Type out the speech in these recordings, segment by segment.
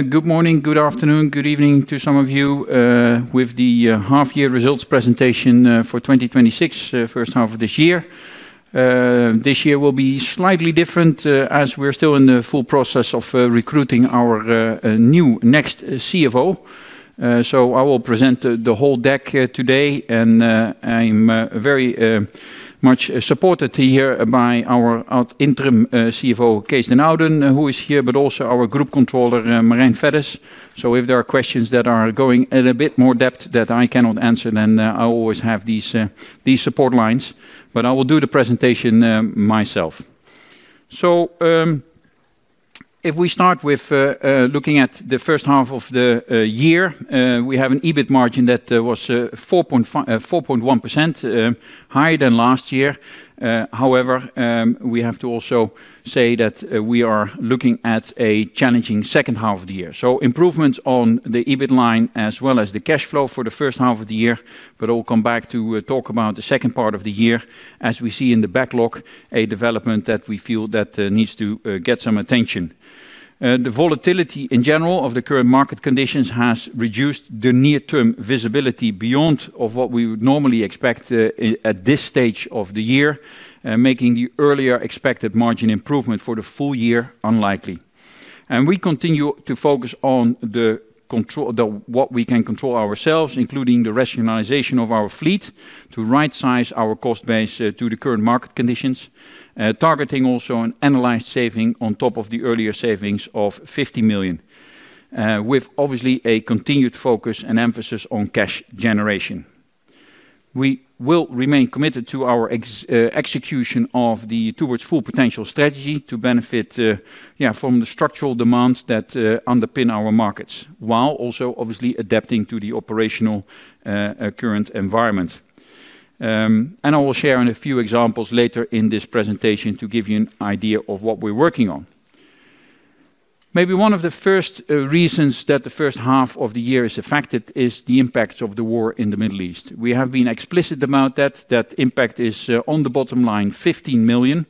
Good morning, good afternoon, good evening to some of you with the half-year results presentation for 2026, first half of this year. This year will be slightly different as we're still in the full process of recruiting our new next CFO. I'm very much supported here by our interim CFO, Cees den Ouden, who is here, but also our Group Controller, Marijn Feddes. If there are questions that are going at a bit more depth that I cannot answer, then I always have these support lines. I will do the presentation myself. If we start with looking at the first half of the year, we have an EBIT margin that was 4.1% higher than last year. However, we have to also say that we are looking at a challenging second half of the year. So improvements on the EBIT line as well as the cash flow for the first half of the year, but I'll come back to talk about the second part of the year, as we see in the backlog, a development that we feel that needs to get some attention. The volatility in general of the current market conditions has reduced the near-term visibility beyond of what we would normally expect at this stage of the year, making the earlier expected margin improvement for the full year unlikely. We continue to focus on what we can control ourselves, including the rationalization of our fleet, to right-size our cost base to the current market conditions. Targeting also an analyzed saving on top of the earlier savings of 50 million, with obviously a continued focus and emphasis on cash generation. We will remain committed to our execution of the towards full potential strategy to benefit from the structural demands that underpin our markets, while also obviously adapting to the operational current environment. I will share a few examples later in this presentation to give you an idea of what we're working on. Maybe one of the first reasons that the first half of the year is affected is the impact of the war in the Middle East. We have been explicit about that. That impact is on the bottom line 15 million,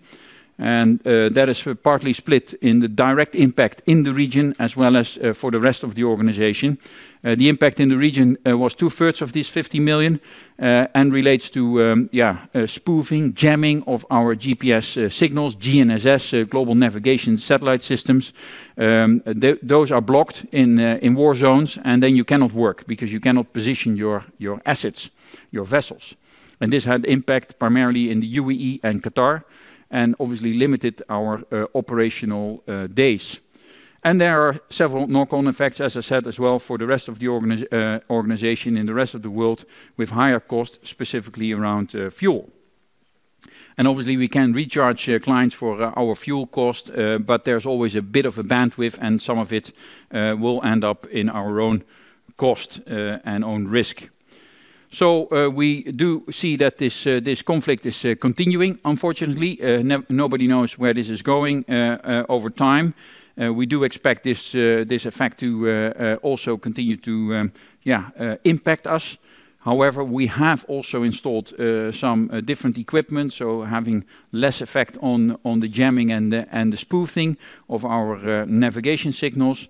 and that is partly split in the direct impact in the region as well as for the rest of the organization. The impact in the region was two-thirds of this 15 million, and relates to spoofing, jamming of our GPS signals, GNSS, Global Navigation Satellite Systems. Those are blocked in war zones, and then you cannot work because you cannot position your assets, your vessels. This had impact primarily in the U.A.E. and Qatar, and obviously limited our operational days. There are several knock-on effects, as I said, as well for the rest of the organization in the rest of the world with higher costs, specifically around fuel. Obviously, we can recharge clients for our fuel cost, but there's always a bit of a bandwidth, and some of it will end up in our own cost and own risk. We do see that this conflict is continuing, unfortunately. Nobody knows where this is going over time. We do expect this effect to also continue to impact us. However, we have also installed some different equipment, so having less effect on the jamming and the spoofing of our navigation signals.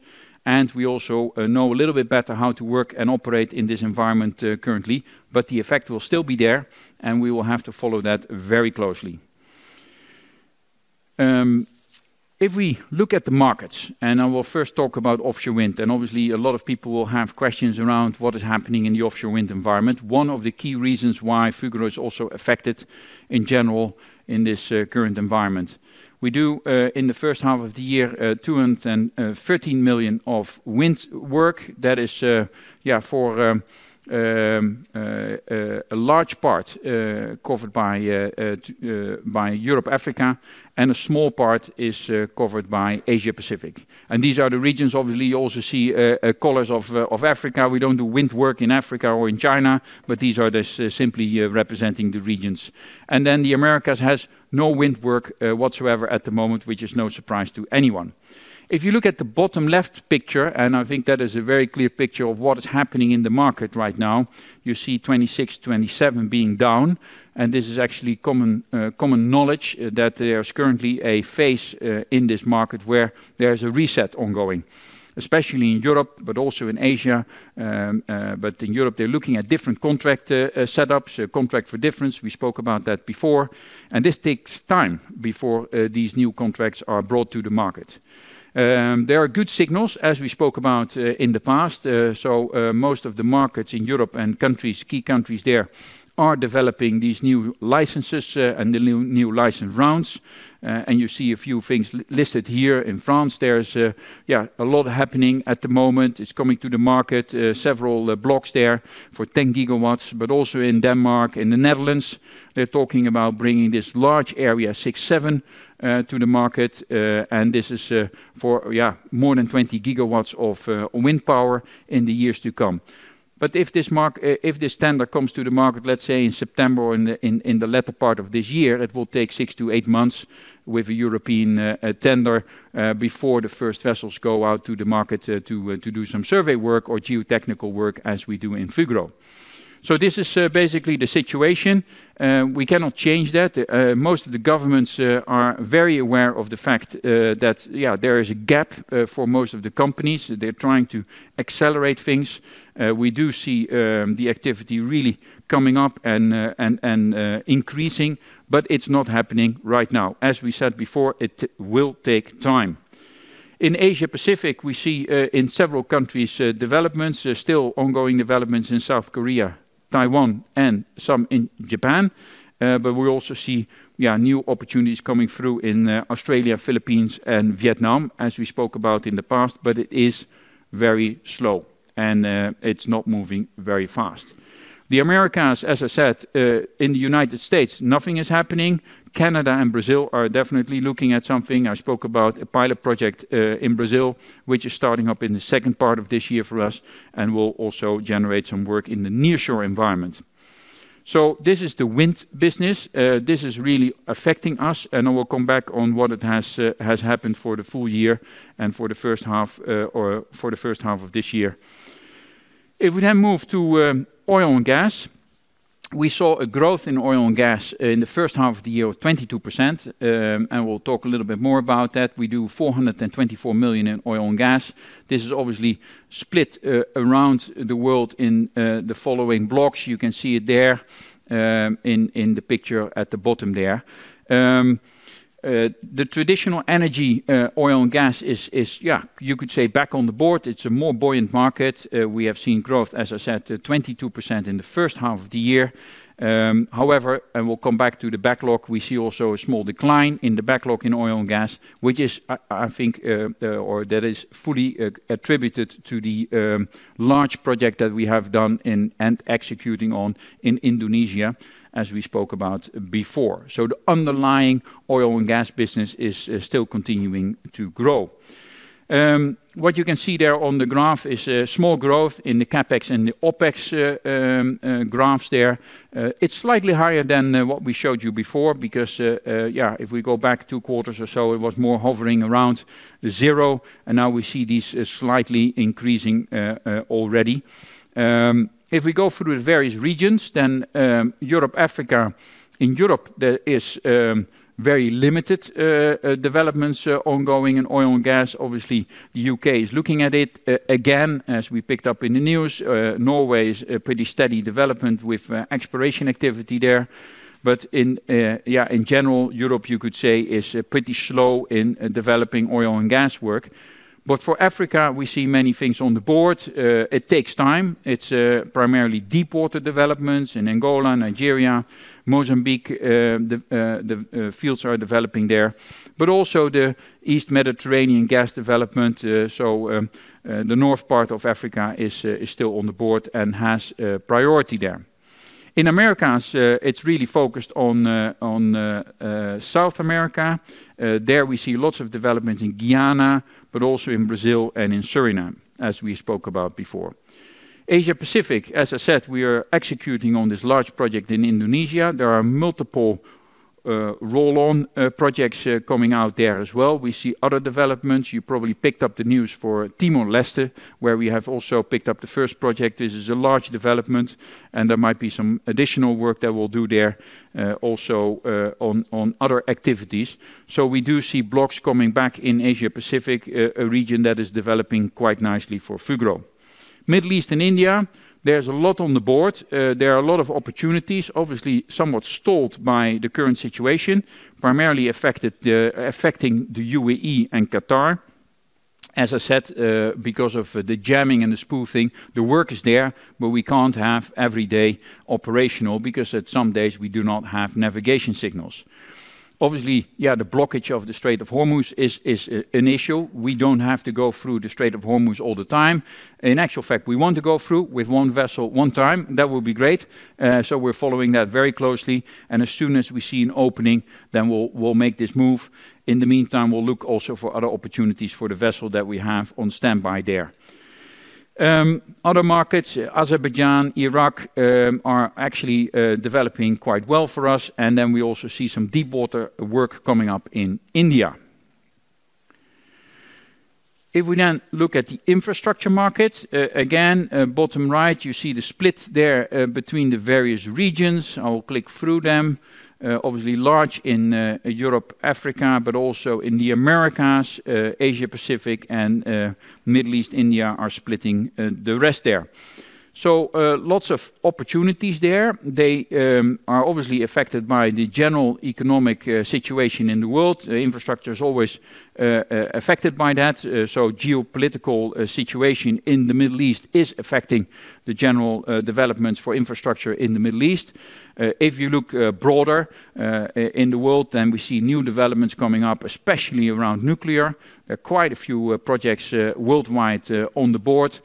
We also know a little bit better how to work and operate in this environment currently. The effect will still be there, and we will have to follow that very closely. We look at the markets, I will first talk about offshore wind, and obviously, a lot of people will have questions around what is happening in the offshore wind environment. One of the key reasons why Fugro is also affected in general in this current environment. We do, in the first half of the year, 213 million of wind work. That is for a large part covered by Europe/Africa, and a small part is covered by Asia-Pacific. These are the regions. Obviously, you also see colors of Africa. We don't do wind work in Africa or in China, but these are just simply representing the regions. The Americas has no wind work whatsoever at the moment, which is no surprise to anyone. You look at the bottom left picture, I think that is a very clear picture of what is happening in the market right now. You see 2026, 2027 being down, and this is actually common knowledge that there is currently a phase in this market where there is a reset ongoing, especially in Europe, also in Asia. In Europe, they're looking at different contract setups, contract for difference. We spoke about that before. This takes time before these new contracts are brought to the market. There are good signals, as we spoke about in the past. Most of the markets in Europe and key countries there are developing these new licenses and the new license rounds. You see a few things listed here. In France, there's a lot happening at the moment. It's coming to the market, several blocks there for 10 GW, also in Denmark and the Netherlands, they're talking about bringing this large area, six, seven, to the market. This is for more than 20 GW of wind power in the years to come. If this tender comes to the market, let's say in September or in the latter part of this year, it will take six to eight months with a European tender before the first vessels go out to the market to do some survey work or geotechnical work as we do in Fugro. This is basically the situation. We cannot change that. Most of the governments are very aware of the fact that there is a gap for most of the companies. They're trying to accelerate things. We do see the activity really coming up and increasing, but it's not happening right now. As we said before, it will take time. In Asia-Pacific, we see in several countries developments. There's still ongoing developments in South Korea, Taiwan, and some in Japan. We also see new opportunities coming through in Australia, Philippines, and Vietnam, as we spoke about in the past, but it is very slow and it's not moving very fast. The Americas, as I said, in the U.S. nothing is happening. Canada and Brazil are definitely looking at something. I spoke about a pilot project in Brazil, which is starting up in the second part of this year for us and will also generate some work in the nearshore environment. This is the wind business. I will come back on what has happened for the full-year and for the first half of this year. We then move to oil and gas, we saw a growth in oil and gas in the first half of the year of 22%, and we'll talk a little bit more about that. We do 424 million in oil and gas. This is obviously split around the world in the following blocks. You can see it there in the picture at the bottom there. The traditional energy, oil and gas is, you could say, back on board. It's a more buoyant market. We have seen growth, as I said, 22% in the first half of the year. We'll come back to the backlog, we see also a small decline in the backlog in oil and gas, which I think that is fully attributed to the large project that we have done and executing on in Indonesia, as we spoke about before. The underlying oil and gas business is still continuing to grow. What you can see there on the graph is a small growth in the CapEx and the OpEx graphs there. It's slightly higher than what we showed you before because if we go back two quarters or so, it was more hovering around zero, now we see these slightly increasing already. We go through the various regions, Europe/Africa. In Europe, there is very limited developments ongoing in oil and gas. Obviously, the U.K. is looking at it again, as we picked up in the news. Norway is a pretty steady development with exploration activity there. In general, Europe you could say is pretty slow in developing oil and gas work. For Africa, we see many things on the board. It takes time. It's primarily deep water developments in Angola, Nigeria, Mozambique. The fields are developing there. Also the East Mediterranean gas development, so the north part of Africa is still on the board and has priority there. In Americas, it's really focused on South America. There we see lots of developments in Guyana, but also in Brazil and in Suriname, as we spoke about before. Asia-Pacific, as I said, we are executing on this large project in Indonesia. There are multiple roll-on projects coming out there as well. We see other developments. You probably picked up the news for Timor-Leste, where we have also picked up the first project. This is a large development, there might be some additional work that we'll do there, also on other activities. We do see blocks coming back in Asia-Pacific, a region that is developing quite nicely for Fugro. Middle East and India, there's a lot on the board. There are a lot of opportunities, obviously somewhat stalled by the current situation, primarily affecting the UAE and Qatar. As I said, because of the jamming and the spoofing, the work is there, but we can't have every day operational because at some days we do not have navigation signals. Obviously, the blockage of the Strait of Hormuz is an issue. We don't have to go through the Strait of Hormuz all the time. In actual fact, we want to go through with one vessel one time. That would be great. We're following that very closely, and as soon as we see an opening, then we'll make this move. In the meantime, we'll look also for other opportunities for the vessel that we have on standby there. Other markets, Azerbaijan, Iraq, are actually developing quite well for us. We also see some deep water work coming up in India. If we look at the infrastructure market, again, bottom right, you see the split there between the various regions. I will click through them. Large in Europe/Africa, but also in the Americas, Asia-Pacific, and Middle East, India are splitting the rest there. Lots of opportunities there. They are affected by the general economic situation in the world. Infrastructure is always affected by that. Geopolitical situation in the Middle East is affecting the general developments for infrastructure in the Middle East. If you look broader in the world, we see new developments coming up, especially around nuclear. Quite a few projects worldwide on the board.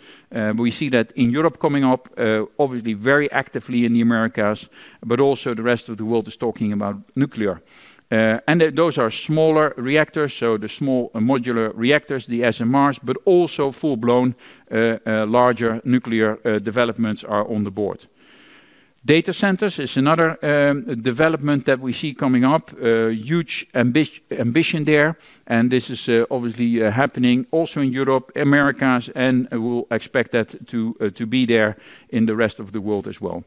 We see that in Europe coming up, very actively in the Americas, but also the rest of the world is talking about nuclear. Those are smaller reactors, the Small Modular Reactors, the SMRs, but also full-blown larger nuclear developments are on the board. Data centers is another development that we see coming up. Huge ambition there. This is happening also in Europe/Americas, and we will expect that to be there in the rest of the world as well.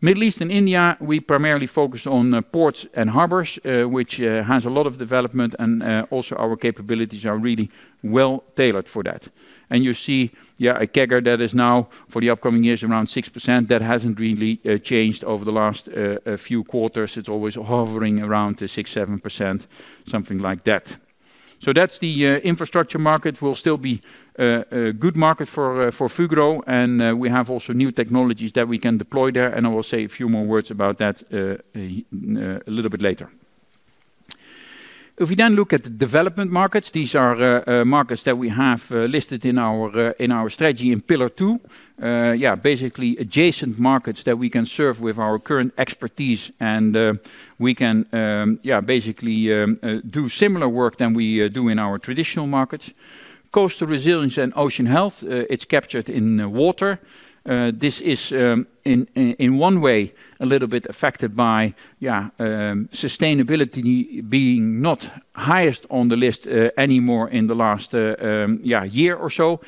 Middle East and India, we primarily focus on ports and harbors, which has a lot of development and also our capabilities are really well tailored for that. You see a CAGR that is now for the upcoming years around 6%. That hasn't really changed over the last few quarters. It's always hovering around 6%, 7%, something like that. The infrastructure market will still be a good market for Fugro. We have also new technologies that we can deploy there, and I will say a few more words about that a little bit later. Looking at the development markets, these are markets that we have listed in our strategy in Pillar Two. Adjacent markets that we can serve with our current expertise, and we can do similar work than we do in our traditional markets. Coastal resilience and ocean health, it's captured in water. This is, in one way, a little bit affected by sustainability being not highest on the list anymore in the last year or so.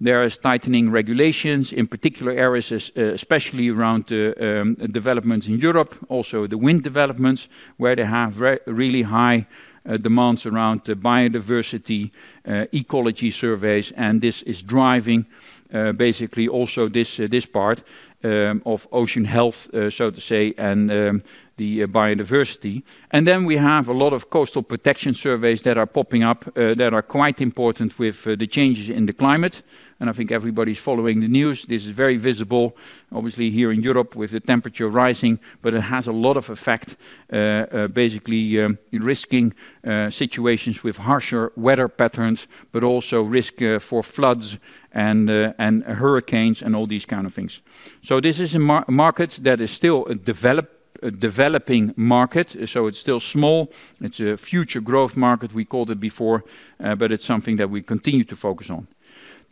There is tightening regulations, in particular areas, especially around developments in Europe, also the wind developments, where they have really high demands around biodiversity ecology surveys, and this is driving basically also this part of ocean health, so to say, and the biodiversity. We have a lot of coastal protection surveys that are popping up that are quite important with the changes in the climate, and I think everybody's following the news. This is very visible here in Europe with the temperature rising, but it has a lot of effect, basically risking situations with harsher weather patterns, but also risk for floods and hurricanes and all these kind of things. This is a market that is still a developing market. It's still small. It's a future growth market, we called it before, but it's something that we continue to focus on.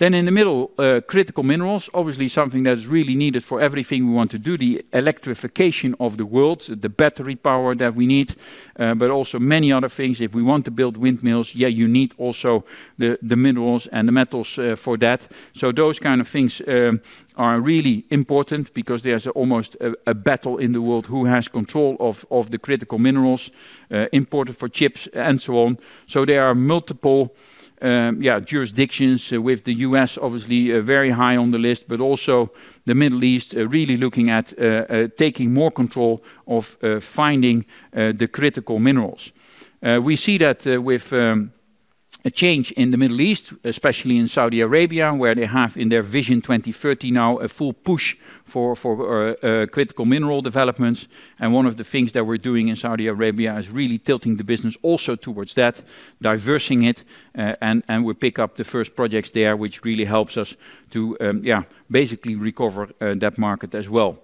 In the middle, critical minerals, obviously something that's really needed for everything we want to do. The electrification of the world, the battery power that we need, but also many other things. If we want to build windmills, you need also the minerals and the metals for that. Those kind of things are really important because there's almost a battle in the world who has control of the critical minerals imported for chips and so on. There are multiple jurisdictions with the U.S. obviously very high on the list, but also the Middle East really looking at taking more control of finding the critical minerals. We see that with a change in the Middle East, especially in Saudi Arabia, where they have in their Vision 2030 now a full push for critical mineral developments. One of the things that we're doing in Saudi Arabia is really tilting the business also towards that, diverging it, and we pick up the first projects there, which really helps us to basically recover that market as well.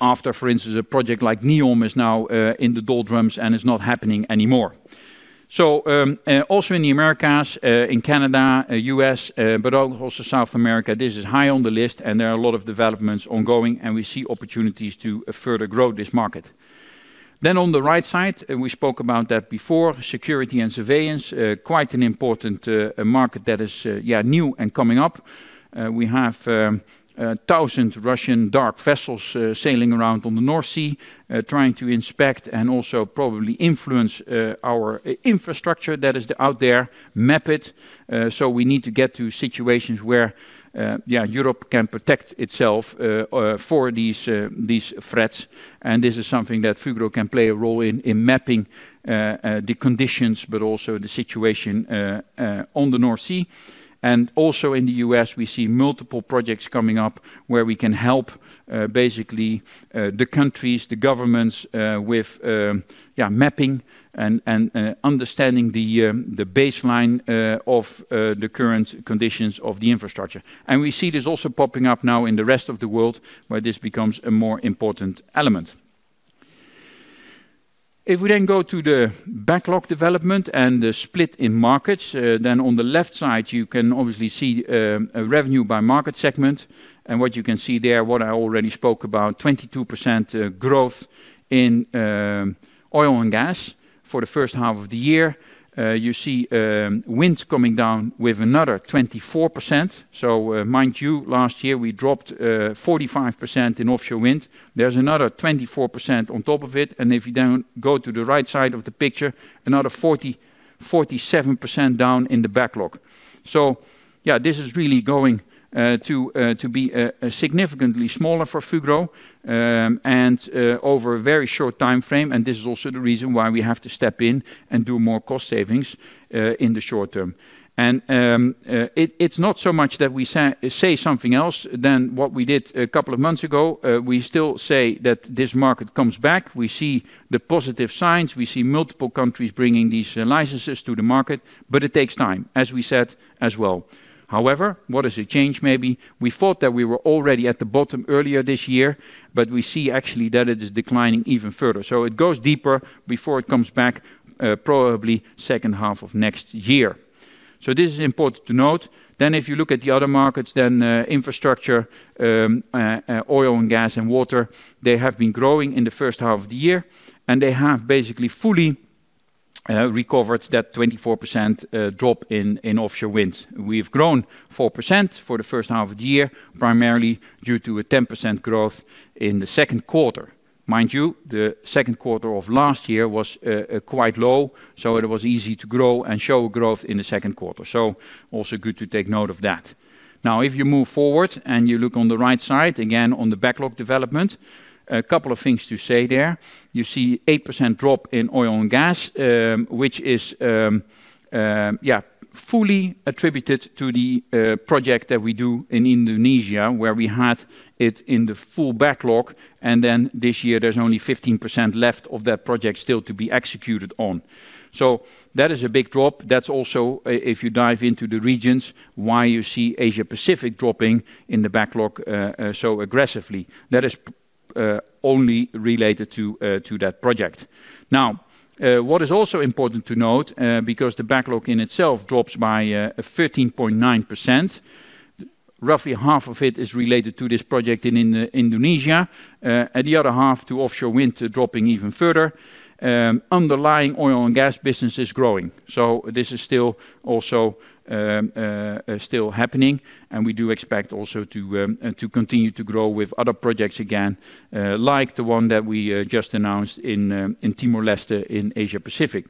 After, for instance, a project like NEOM is now in the doldrums and is not happening anymore. Also in the Americas, in Canada, U.S., but also South America, this is high on the list and there are a lot of developments ongoing, and we see opportunities to further grow this market. On the right side, we spoke about that before, security and surveillance, quite an important market that is new and coming up. We have 1,000 Russian dark vessels sailing around on the North Sea, trying to inspect and also probably influence our infrastructure that is out there, map it. We need to get to situations where Europe can protect itself for these threats. This is something that Fugro can play a role in mapping the conditions, but also the situation on the North Sea. Also in the U.S., we see multiple projects coming up where we can help basically the countries, the governments with mapping and understanding the baseline of the current conditions of the infrastructure. We see this also popping up now in the rest of the world, where this becomes a more important element. If we go to the backlog development and the split in markets, on the left side you can obviously see revenue by market segment. What you can see there, what I already spoke about, 22% growth in oil and gas for the first half of the year. You see wind coming down with another 24%. Mind you, last year we dropped 45% in offshore wind. There's another 24% on top of it. If you go to the right side of the picture, another 47% down in the backlog. This is really going to be significantly smaller for Fugro, and over a very short time frame, and this is also the reason why we have to step in and do more cost savings in the short term. It's not so much that we say something else than what we did a couple of months ago. We still say that this market comes back. We see the positive signs. We see multiple countries bringing these licenses to the market, but it takes time, as we said as well. However, what has it changed? Maybe we thought that we were already at the bottom earlier this year, but we see actually that it is declining even further. It goes deeper before it comes back, probably second half of next year. This is important to note. If you look at the other markets, then infrastructure, oil and gas and water, they have been growing in the first half of the year, and they have basically fully recovered that 24% drop in offshore wind. We've grown 4% for the first half of the year, primarily due to a 10% growth in the second quarter. Mind you, the second quarter of last year was quite low, so it was easy to grow and show growth in the second quarter. Also good to take note of that. If you move forward and you look on the right side, again, on the backlog development, a couple of things to say there. You see 8% drop in oil and gas, which is fully attributed to the project that we do in Indonesia, where we had it in the full backlog, and then this year there's only 15% left of that project still to be executed on. That is a big drop. That's also, if you dive into the regions, why you see Asia-Pacific dropping in the backlog so aggressively. That is only related to that project. What is also important to note, because the backlog in itself drops by 13.9%, roughly half of it is related to this project in Indonesia, and the other half to offshore wind dropping even further. Underlying oil and gas business is growing. This is still happening, and we do expect also to continue to grow with other projects again, like the one that we just announced in Timor-Leste in Asia-Pacific.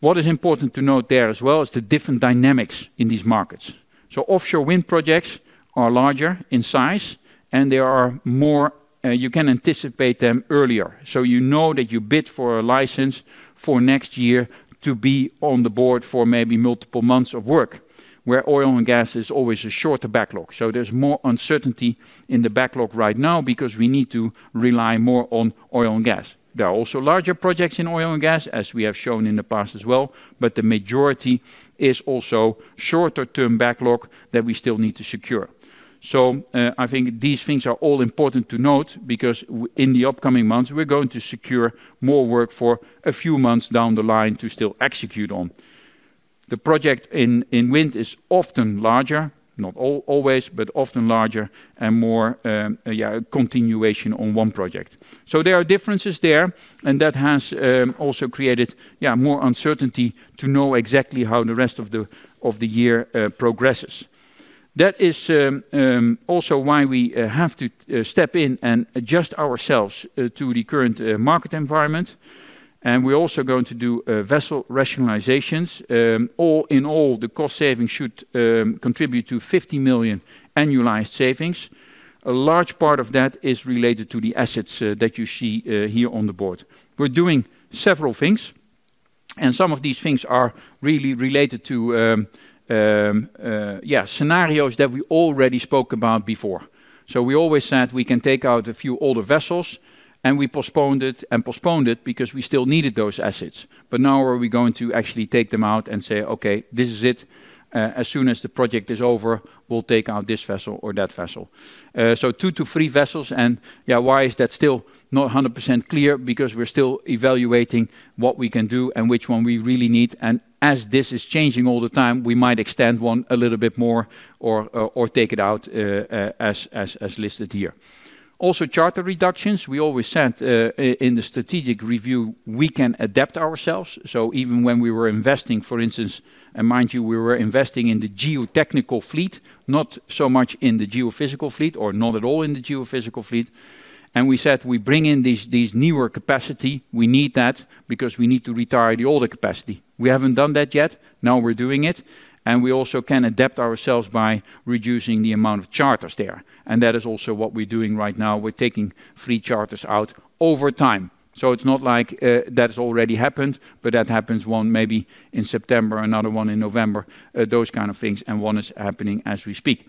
What is important to note there as well is the different dynamics in these markets. Offshore wind projects are larger in size, and you can anticipate them earlier. You know that you bid for a license for next year to be on the board for maybe multiple months of work, where oil and gas is always a shorter backlog. There's more uncertainty in the backlog right now because we need to rely more on oil and gas. There are also larger projects in oil and gas, as we have shown in the past as well, but the majority is also shorter-term backlog that we still need to secure. I think these things are all important to note, because in the upcoming months, we're going to secure more work for a few months down the line to still execute on. The project in wind is often larger, not always, but often larger and more continuation on one project. There are differences there, and that has also created more uncertainty to know exactly how the rest of the year progresses. That is also why we have to step in and adjust ourselves to the current market environment. We're also going to do vessel rationalizations. All in all, the cost saving should contribute to 50 million annualized savings. A large part of that is related to the assets that you see here on the board. We're doing several things, and some of these things are really related to scenarios that we already spoke about before. We always said we can take out a few older vessels, we postponed it and postponed it because we still needed those assets. Now we are going to actually take them out and say, Okay, this is it. As soon as the project is over, we'll take out this vessel or that vessel. Two to three vessels. Why is that still not 100% clear? We're still evaluating what we can do and which one we really need. As this is changing all the time, we might extend one a little bit more or take it out as listed here. Also charter reductions. We always said in the strategic review, we can adapt ourselves. Even when we were investing, for instance, mind you, we were investing in the geotechnical fleet, not so much in the geophysical fleet, or not at all in the geophysical fleet. We said, we bring in these newer capacity. We need that because we need to retire the older capacity. We haven't done that yet. Now we're doing it, we also can adapt ourselves by reducing the amount of charters there. That is also what we're doing right now. We're taking three charters out over time. It's not like that has already happened, but that happens one maybe in September, another one in November, those kind of things, one is happening as we speak.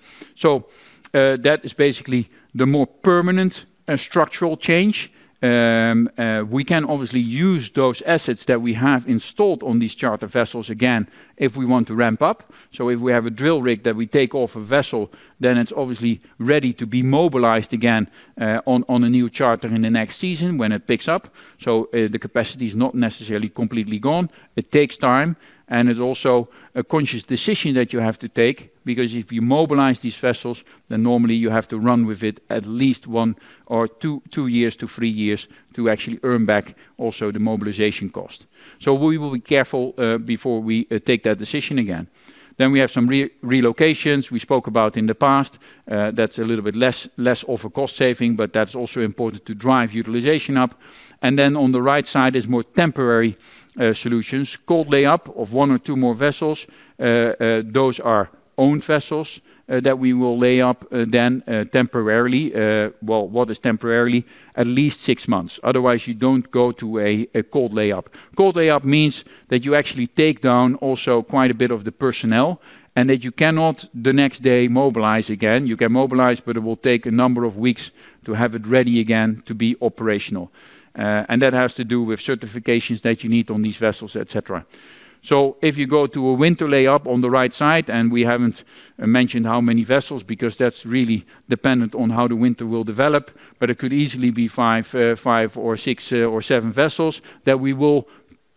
That is basically the more permanent structural change. We can obviously use those assets that we have installed on these charter vessels again if we want to ramp up. If we have a drill rig that we take off a vessel, it's obviously ready to be mobilized again on a new charter in the next season when it picks up. The capacity is not necessarily completely gone. It takes time, it's also a conscious decision that you have to take, because if you mobilize these vessels, normally you have to run with it at least one or two years to three years to actually earn back also the mobilization cost. We will be careful before we take that decision again. We have some relocations we spoke about in the past. That's a little bit less of a cost saving, that's also important to drive utilization up. On the right side is more temporary solutions. cold layup of one or two more vessels. Those are own vessels that we will lay up temporarily. What is temporarily? At least six months. Otherwise, you don't go to a cold layup. cold layup means that you actually take down also quite a bit of the personnel, that you cannot the next day mobilize again. You can mobilize, it will take a number of weeks to have it ready again to be operational. That has to do with certifications that you need on these vessels, et cetera. If you go to a winter layup on the right side, we haven't mentioned how many vessels, because that's really dependent on how the winter will develop, but it could easily be five or six or seven vessels that we will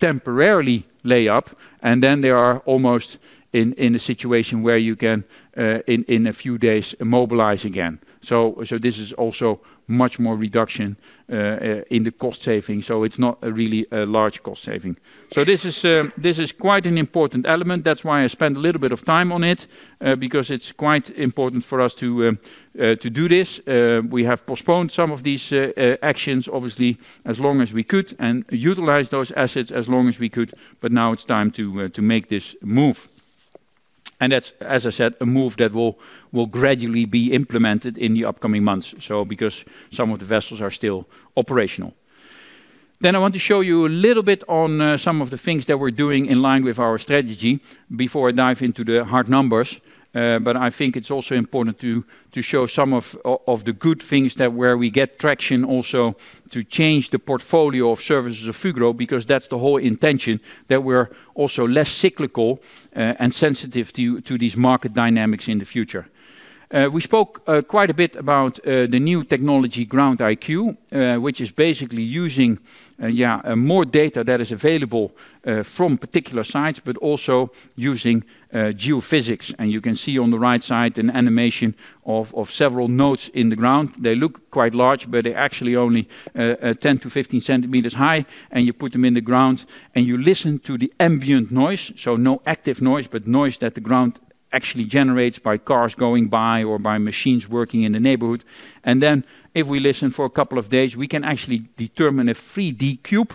temporarily lay up. They are almost in a situation where you can, in a few days, mobilize again. This is also much more reduction in the cost saving. It's not really a large cost saving. This is quite an important element. That's why I spent a little bit of time on it, because it's quite important for us to do this. We have postponed some of these actions, obviously, as long as we could, and utilized those assets as long as we could, now it's time to make this move. That's, as I said, a move that will gradually be implemented in the upcoming months, because some of the vessels are still operational. I want to show you a little bit on some of the things that we're doing in line with our strategy before I dive into the hard numbers. I think it's also important to show some of the good things where we get traction also to change the portfolio of services of Fugro, because that's the whole intention, that we're also less cyclical and sensitive to these market dynamics in the future. We spoke quite a bit about the new technology, GroundIQ®, which is basically using more data that is available from particular sites, but also using geophysics. You can see on the right side an animation of several nodes in the ground. They look quite large, but they're actually only 10-15 cm high, you put them in the ground and you listen to the ambient noise. No active noise, but noise that the ground actually generates by cars going by or by machines working in the neighborhood. If we listen for a couple of days, we can actually determine a 3D cube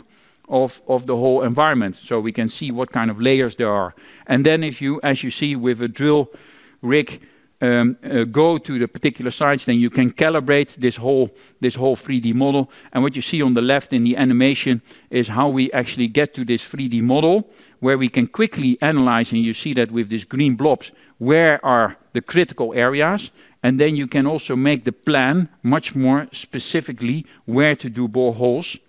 of the whole environment, so we can see what kind of layers there are. As you see with a drill rig, go to the particular sites, you can calibrate this whole 3D model. What you see on the left in the animation is how we actually get to this 3D model, where we can quickly analyze, and you see that with these green blobs, where are the critical areas. You can also make the plan much more specifically where to do boreholes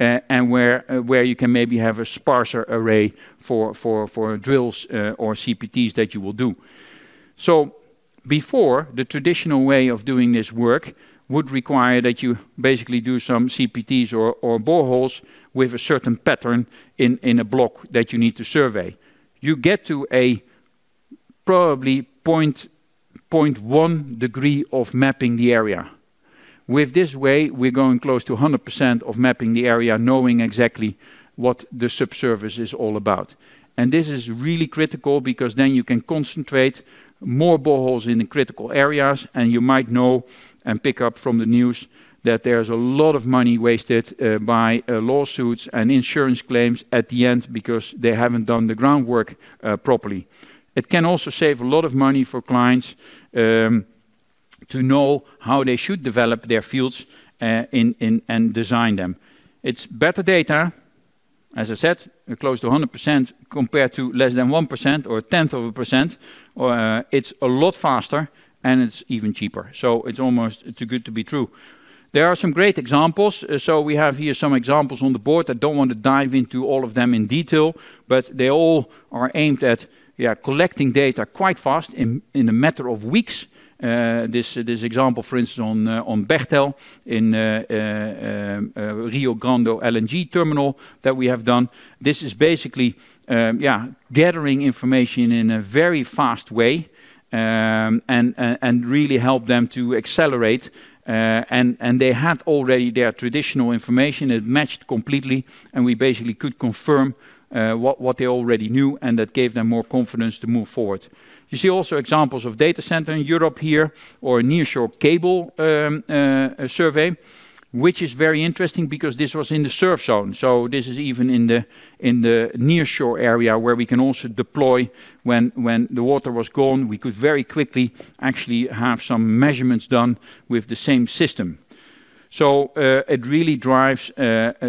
and where you can maybe have a sparser array for drills or CPTs that you will do. Before, the traditional way of doing this work would require that you basically do some CPTs or boreholes with a certain pattern in a block that you need to survey. You get to a probably 0.1 degree of mapping the area. With this way, we're going close to 100% of mapping the area, knowing exactly what the subsurface is all about. This is really critical because you can concentrate more boreholes in the critical areas, and you might know and pick up from the news that there's a lot of money wasted by lawsuits and insurance claims at the end because they haven't done the groundwork properly. It can also save a lot of money for clients to know how they should develop their fields and design them. It's better data, as I said, close to 100% compared to less than 1% or 1/10 of a percent. It's a lot faster, and it's even cheaper. It's almost too good to be true. There are some great examples. We have here some examples on the board. I don't want to dive into all of them in detail, but they all are aimed at collecting data quite fast in a matter of weeks. This example, for instance, on Bechtel in Rio Grande LNG terminal that we have done. This is basically gathering information in a very fast way and really help them to accelerate. They had already their traditional information, it matched completely, and we basically could confirm what they already knew, and that gave them more confidence to move forward. You see also examples of data center in Europe here or a nearshore cable survey, which is very interesting because this was in the surf zone. This is even in the nearshore area where we can also deploy. When the water was gone, we could very quickly actually have some measurements done with the same system. It really drives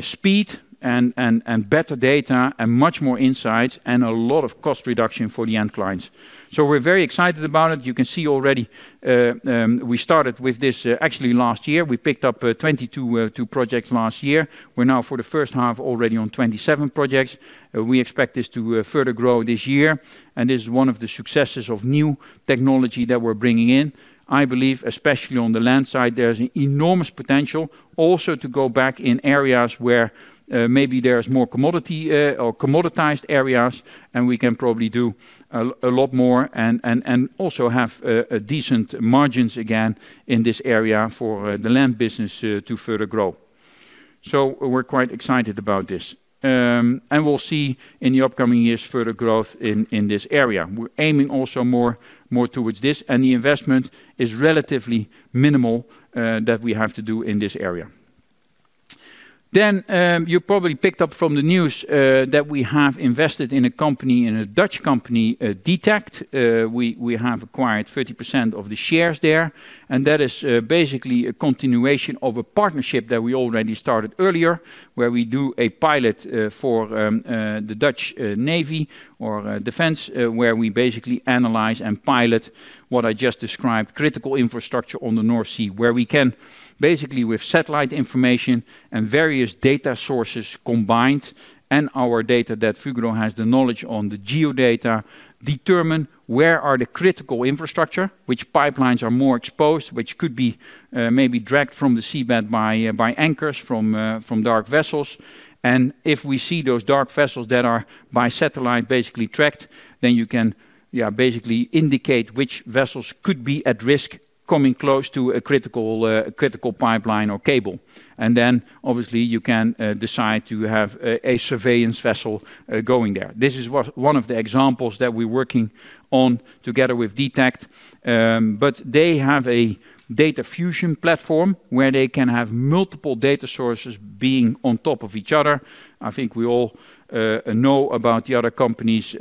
speed and better data and much more insights and a lot of cost reduction for the end clients. We're very excited about it. You can see already, we started with this actually last year. We picked up 22 projects last year. We're now for the first half already on 27 projects. We expect this to further grow this year, this is one of the successes of new technology that we're bringing in. I believe, especially on the land side, there's enormous potential also to go back in areas where maybe there's more commodity or commoditized areas, we can probably do a lot more and also have decent margins again in this area for the land business to further grow. We're quite excited about this. We'll see in the upcoming years further growth in this area. We're aiming also more towards this, the investment is relatively minimal that we have to do in this area. You probably picked up from the news that we have invested in a company, in a Dutch company, DTACT. We have acquired 30% of the shares there, that is basically a continuation of a partnership that we already started earlier, where we do a pilot for the Dutch Navy or defense, where we basically analyze and pilot what I just described, critical infrastructure on the North Sea, where we can basically with satellite information and various data sources combined, our data that Fugro has the knowledge on the geodata, determine where are the critical infrastructure, which pipelines are more exposed, which could be maybe dragged from the seabed by anchors from dark vessels. If we see those dark vessels that are by satellite basically tracked, then you can basically indicate which vessels could be at risk Coming close to a critical pipeline or cable. Then obviously you can decide to have a surveillance vessel going there. This is one of the examples that we're working on together with DTACT. They have a data fusion platform where they can have multiple data sources being on top of each other. I think we all know about the other companies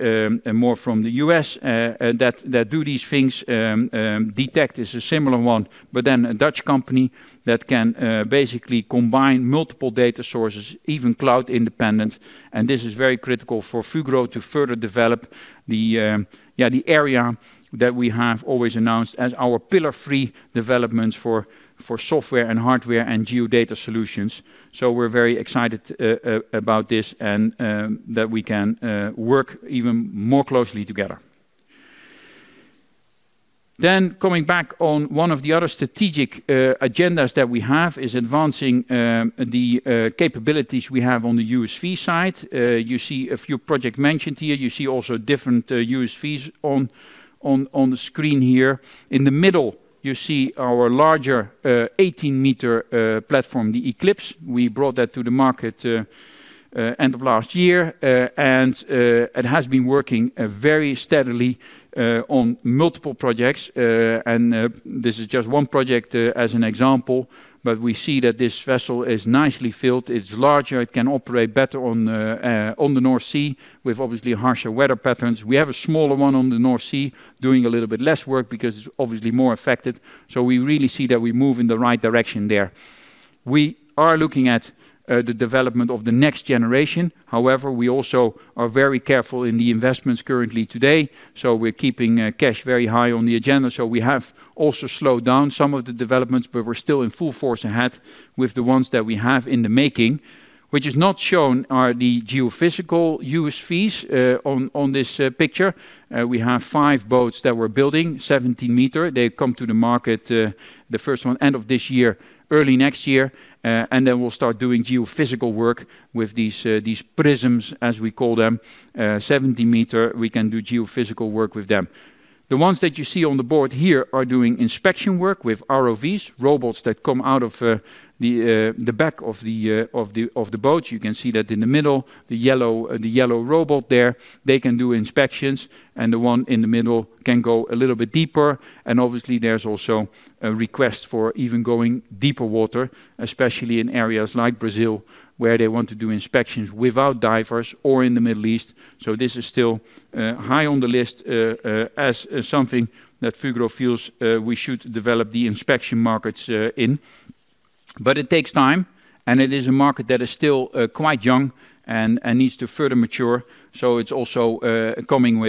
more from the U.S. that do these things. DTACT is a similar one, but then a Dutch company that can basically combine multiple data sources, even cloud independent. This is very critical for Fugro to further develop the area that we have always announced as our pillar three developments for software and hardware and geodata solutions. We're very excited about this and that we can work even more closely together. Coming back on one of the other strategic agendas that we have is advancing the capabilities we have on the USV side. You see a few projects mentioned here. You see also different USVs on the screen here. In the middle, you see our larger 18-meter platform, the Eclipse. We brought that to the market end of last year. It has been working very steadily on multiple projects. This is just one project as an example, but we see that this vessel is nicely filled. It's larger, it can operate better on the North Sea with obviously harsher weather patterns. We have a smaller one on the North Sea doing a little bit less work because it's obviously more affected. We really see that we move in the right direction there. We are looking at the development of the next generation. However, we also are very careful in the investments currently today, so we're keeping cash very high on the agenda. We have also slowed down some of the developments, but we're still in full force ahead with the ones that we have in the making. Which is not shown are the geophysical USVs on this picture. We have five boats that we're building, 70 m. They come to the market, the first one end of this year, early next year, then we'll start doing geophysical work with these prisms, as we call them. 70 m, we can do geophysical work with them. The ones that you see on the board here are doing inspection work with ROVs, robots that come out of the back of the boat. You can see that in the middle, the yellow robot there, they can do inspections, and the one in the middle can go a little bit deeper. Obviously there's also a request for even going deeper water, especially in areas like Brazil, where they want to do inspections without divers, or in the Middle East. This is still high on the list as something that Fugro feels we should develop the inspection markets in. It takes time, and it is a market that is still quite young and needs to further mature. It's also coming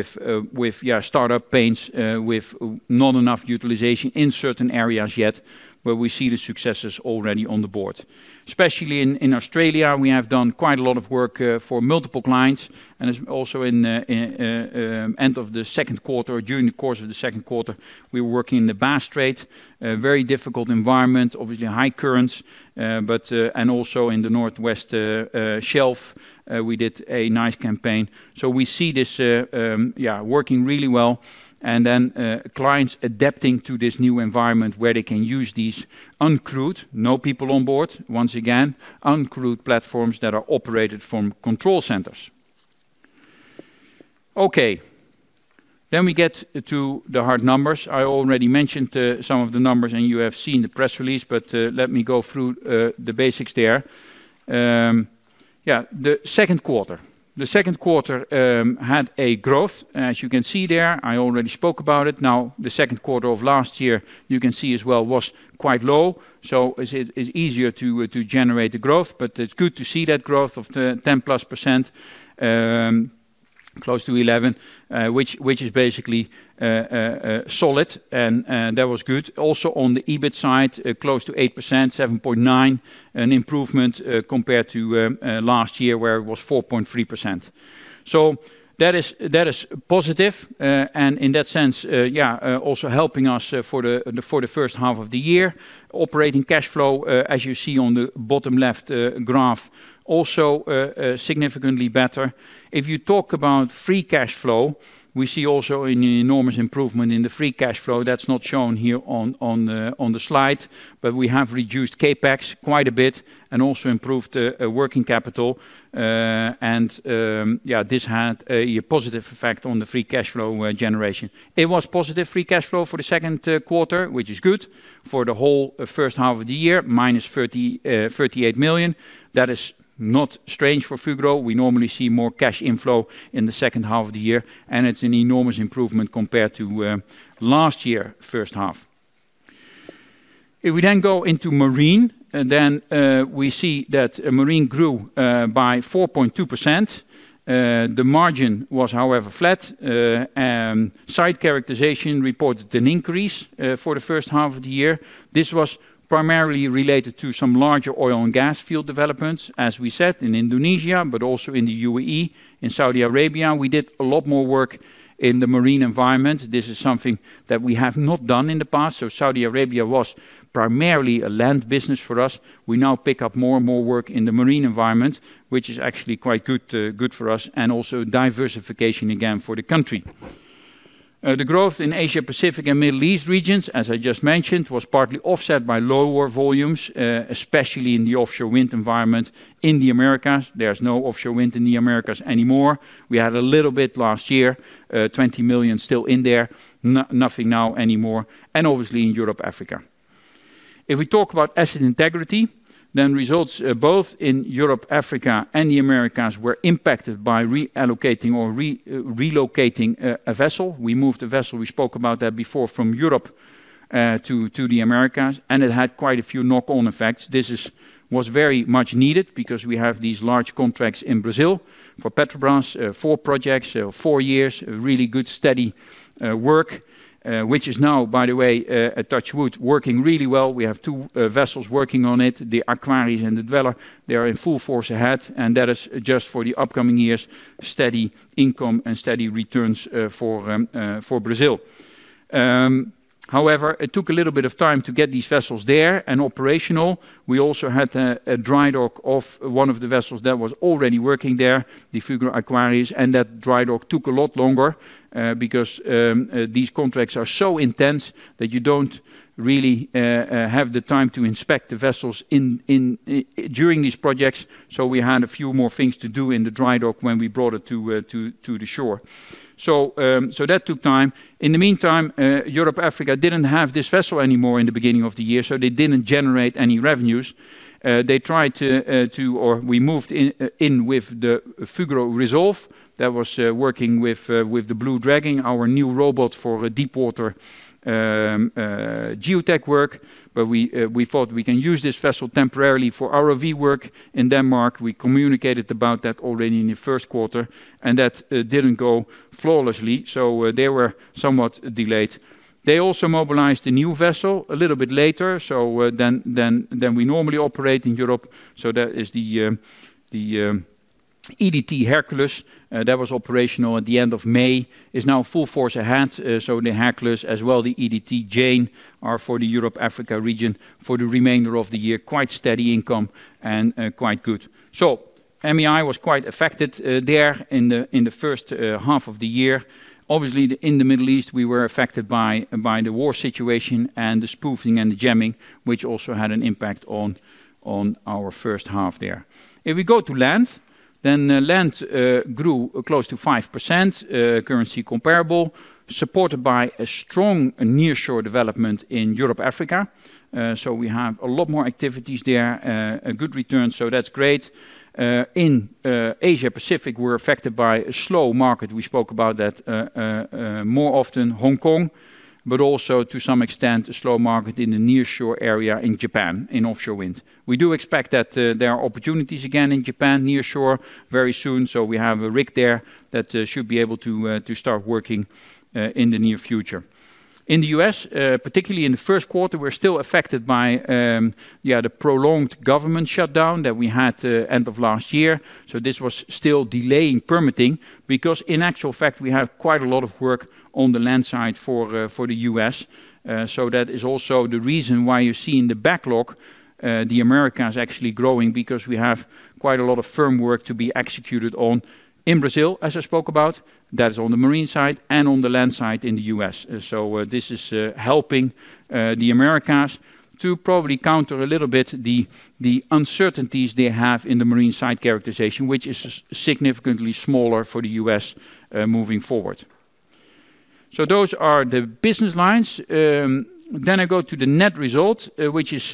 with startup pains, with not enough utilization in certain areas yet, but we see the successes already on the board. Especially in Australia, we have done quite a lot of work for multiple clients, also end of the second quarter or during the course of the second quarter, we were working in the Bass Strait. A very difficult environment, obviously high currents, also in the North West Shelf, we did a nice campaign. We see this working really well, clients adapting to this new environment where they can use these uncrewed, no people on board, once again, uncrewed platforms that are operated from control centers. Okay. We get to the hard numbers. I already mentioned some of the numbers, you have seen the press release, let me go through the basics there. The second quarter had a growth. As you can see there, I already spoke about it. The second quarter of last year, you can see as well, was quite low. It's easier to generate the growth, but it's good to see that growth of 10+%, close to 11%, which is basically solid, and that was good. Also on the EBIT side, close to 8%, 7.9%, an improvement compared to last year where it was 4.3%. That is positive, in that sense, also helping us for the first half of the year. Operating cash flow, as you see on the bottom left graph, also significantly better. If you talk about free cash flow, we see also an enormous improvement in the free cash flow. That's not shown here on the slide, but we have reduced CapEx quite a bit and also improved working capital. This had a positive effect on the free cash flow generation. It was positive free cash flow for the second quarter, which is good. For the whole first half of the year, -38 million. That is not strange for Fugro. We normally see more cash inflow in the second half of the year, and it's an enormous improvement compared to last year first half. If we then go into marine, then we see that marine grew by 4.2%. The margin was, however, flat. Site characterization reported an increase for the first half of the year. This was primarily related to some larger oil and gas field developments, as we said, in Indonesia, but also in the U.A.E. In Saudi Arabia, we did a lot more work in the marine environment. This is something that we have not done in the past. Saudi Arabia was primarily a land business for us. We now pick up more and more work in the marine environment, which is actually quite good for us, and also diversification again for the country. The growth in Asia-Pacific and Middle East regions, as I just mentioned, was partly offset by lower volumes, especially in the offshore wind environment in the Americas. There's no offshore wind in the Americas anymore. We had a little bit last year, 20 million still in there, nothing now anymore, and obviously in Europe/Africa. If we talk about asset integrity, results both in Europe/Africa, and the Americas were impacted by reallocating or relocating a vessel. We moved a vessel, we spoke about that before, from Europe to the Americas, and it had quite a few knock-on effects. This was very much needed because we have these large contracts in Brazil for Petrobras, four projects, four years of really good, steady work, which is now, by the way, touch wood, working really well. We have two vessels working on it, the Aquarius and the Dweller. They are in full force ahead, and that is just for the upcoming years, steady income and steady returns for Brazil. However, it took a little bit of time to get these vessels there and operational. We also had a dry dock of one of the vessels that was already working there, the Fugro Aquarius, and that dry dock took a lot longer, because these contracts are so intense that you don't really have the time to inspect the vessels during these projects. We had a few more things to do in the dry dock when we brought it to the shore. That took time. In the meantime, Europe/Africa didn't have this vessel anymore in the beginning of the year, so they didn't generate any revenues. We moved in with the Fugro Resolve that was working with the Blue Dragon, our new robot for deep water Geotech work. We thought we can use this vessel temporarily for ROV work in Denmark. We communicated about that already in the first quarter, and that didn't go flawlessly, so they were somewhat delayed. They also mobilized a new vessel a little bit later, so than we normally operate in Europe. That is the EDT Hercules, that was operational at the end of May, is now in full force ahead. The Hercules, as well the EDT Jane, are for the Europe/Africa region for the remainder of the year, quite steady income and quite good. MEI was quite affected there in the first half of the year. Obviously, in the Middle East, we were affected by the war situation and the spoofing and the jamming, which also had an impact on our first half there. If we go to land grew close to 5%, currency comparable, supported by a strong nearshore development in Europe/Africa. We have a lot more activities there, a good return, so that's great. In Asia-Pacific, we're affected by a slow market. We spoke about that, more often Hong Kong, but also to some extent, a slow market in the nearshore area in Japan, in offshore wind. We do expect that there are opportunities again in Japan nearshore very soon. We have a rig there that should be able to start working in the near future. In the U.S., particularly in the first quarter, we're still affected by the prolonged government shutdown that we had end of last year. This was still delaying permitting, because in actual fact, we have quite a lot of work on the land side for the U.S. That is also the reason why you see in the backlog, the Americas actually growing because we have quite a lot of firm work to be executed on in Brazil, as I spoke about. That is on the marine side and on the land side in the U.S. This is helping the Americas to probably counter a little bit the uncertainties they have in the marine site characterization, which is significantly smaller for the U.S. moving forward. Those are the business lines. I go to the net result, which is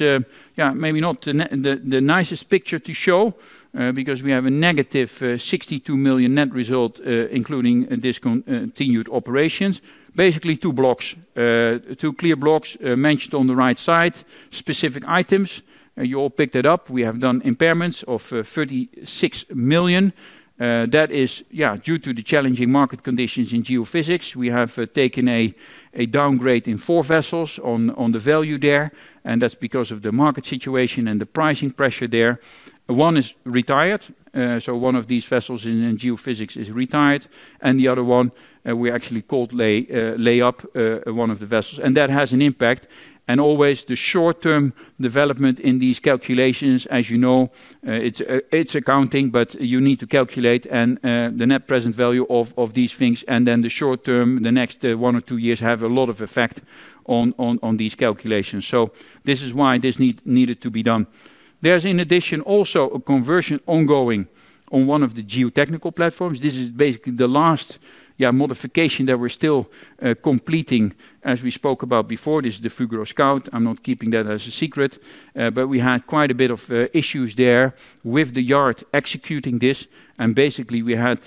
maybe not the nicest picture to show, because we have a -62 million net result, including discontinued operations. Basically two clear blocks mentioned on the right side, specific items. You all picked it up. We have done impairments of 36 million. That is due to the challenging market conditions in geophysics. We have taken a downgrade in four vessels on the value there, and that's because of the market situation and the pricing pressure there. One is retired, so one of these vessels in geophysics is retired, and the other one, we actually cold lay up one of the vessels. That has an impact. Always the short-term development in these calculations, as you know, it's accounting, but you need to calculate the net present value of these things, then the short term, the next one or two years, have a lot of effect on these calculations. This is why this needed to be done. There's an addition also, a conversion ongoing on one of the geotechnical platforms. This is basically the last modification that we're still completing, as we spoke about before. This is the Fugro Scout. I'm not keeping that as a secret. We had quite a bit of issues there with the yard executing this, and basically we had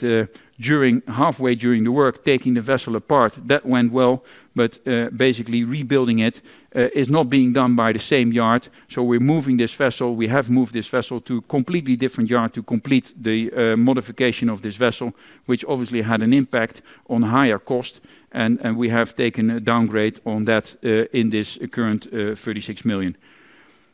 halfway during the work, taking the vessel apart. That went well, but basically rebuilding it is not being done by the same yard. We're moving this vessel. We have moved this vessel to a completely different yard to complete the modification of this vessel, which obviously had an impact on higher cost, and we have taken a downgrade on that in this current 36 million.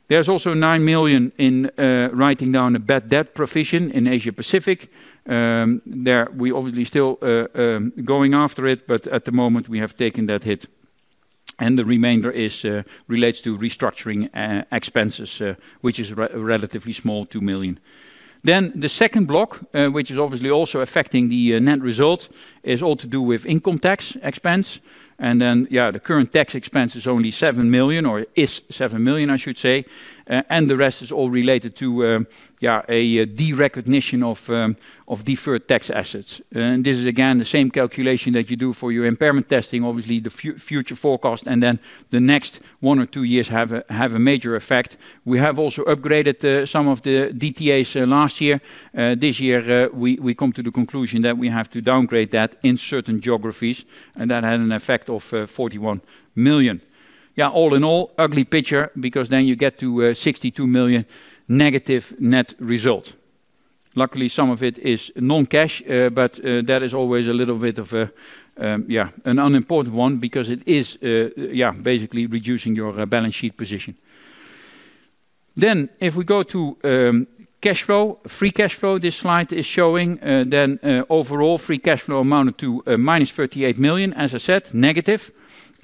There's also 9 million in writing down a bad debt provision in Asia-Pacific. There we obviously still going after it, but at the moment, we have taken that hit. The remainder relates to restructuring expenses, which is relatively small, 2 million. The second block, which is obviously also affecting the net result, is all to do with income tax expense. Yeah, the current tax expense is only 7 million or is 7 million, I should say. The rest is all related to a derecognition of deferred tax assets. This is again, the same calculation that you do for your impairment testing, obviously the future forecast then the next one or two years have a major effect. We have also upgraded some of the DTAs last year. This year, we come to the conclusion that we have to downgrade that in certain geographies and that had an effect of 41 million. All in all, ugly picture because then you get to 62 million negative net result. Luckily, some of it is non-cash, but that is always a little bit of an unimportant one because it is basically reducing your balance sheet position. If we go to cash flow, free cash flow, this slide is showing then overall free cash flow amounted to -38 million, as I said, negative,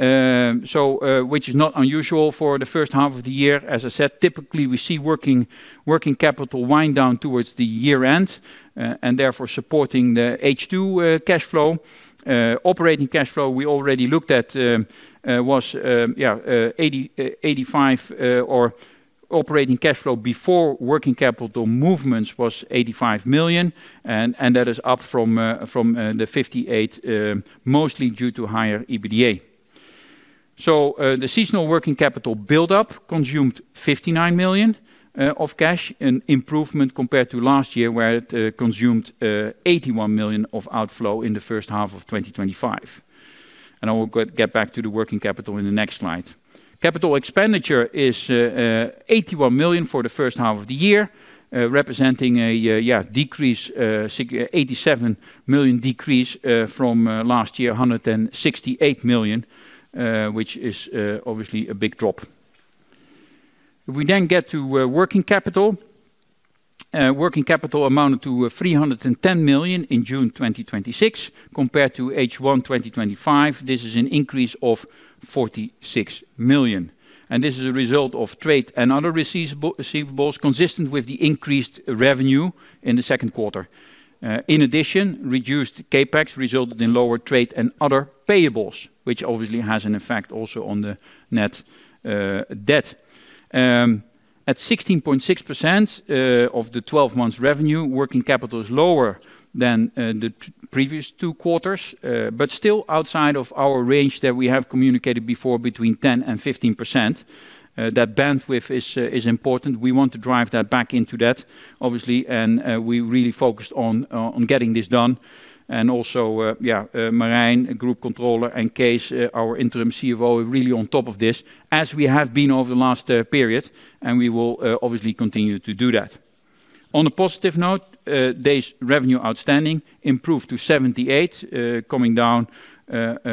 which is not unusual for the first half of the year. As I said, typically we see working capital wind down towards the year-end, therefore supporting the H2 cash flow. Operating cash flow we already looked at was 85 million or operating cash flow before working capital movements was 85 million, and that is up from the 58 million, mostly due to higher EBITDA. The seasonal working capital buildup consumed 59 million of cash, an improvement compared to last year where it consumed 81 million of outflow in the first half of 2025. I will get back to the working capital in the next slide. Capital expenditure is 81 million for the first half of the year, representing a decrease, 87 million decrease from last year, 168 million, which is obviously a big drop. If we get to working capital. Working capital amounted to 310 million in June 2026 compared to H1 2025. This is an increase of 46 million, and this is a result of trade and other receivables consistent with the increased revenue in the second quarter. In addition, reduced CapEx resulted in lower trade and other payables, which obviously has an effect also on the net debt. At 16.6% of the 12 months revenue, working capital is lower than the previous two quarters, but still outside of our range that we have communicated before between 10% and 15%. That bandwidth is important. We want to drive that back into that, obviously, and we really focused on getting this done. Also Marijn, Group Controller, and Cees, our interim CFO, are really on top of this as we have been over the last period, and we will obviously continue to do that. On a positive note, days revenue outstanding improved to 78, coming down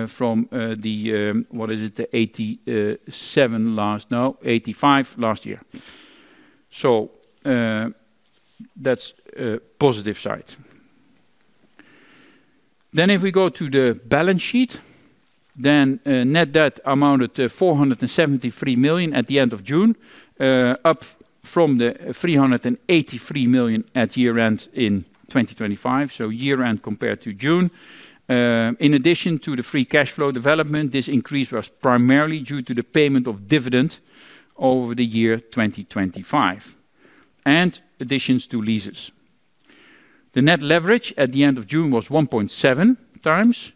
from the, what is it? The 87 last-- Now, 85 last year. That's a positive side. If we go to the balance sheet, net debt amounted to 473 million at the end of June, up from the 383 million at year-end in 2025. So year-end compared to June. In addition to the free cash flow development, this increase was primarily due to the payment of dividend over the year 2025 and additions to leases. The net leverage at the end of June was 1.7x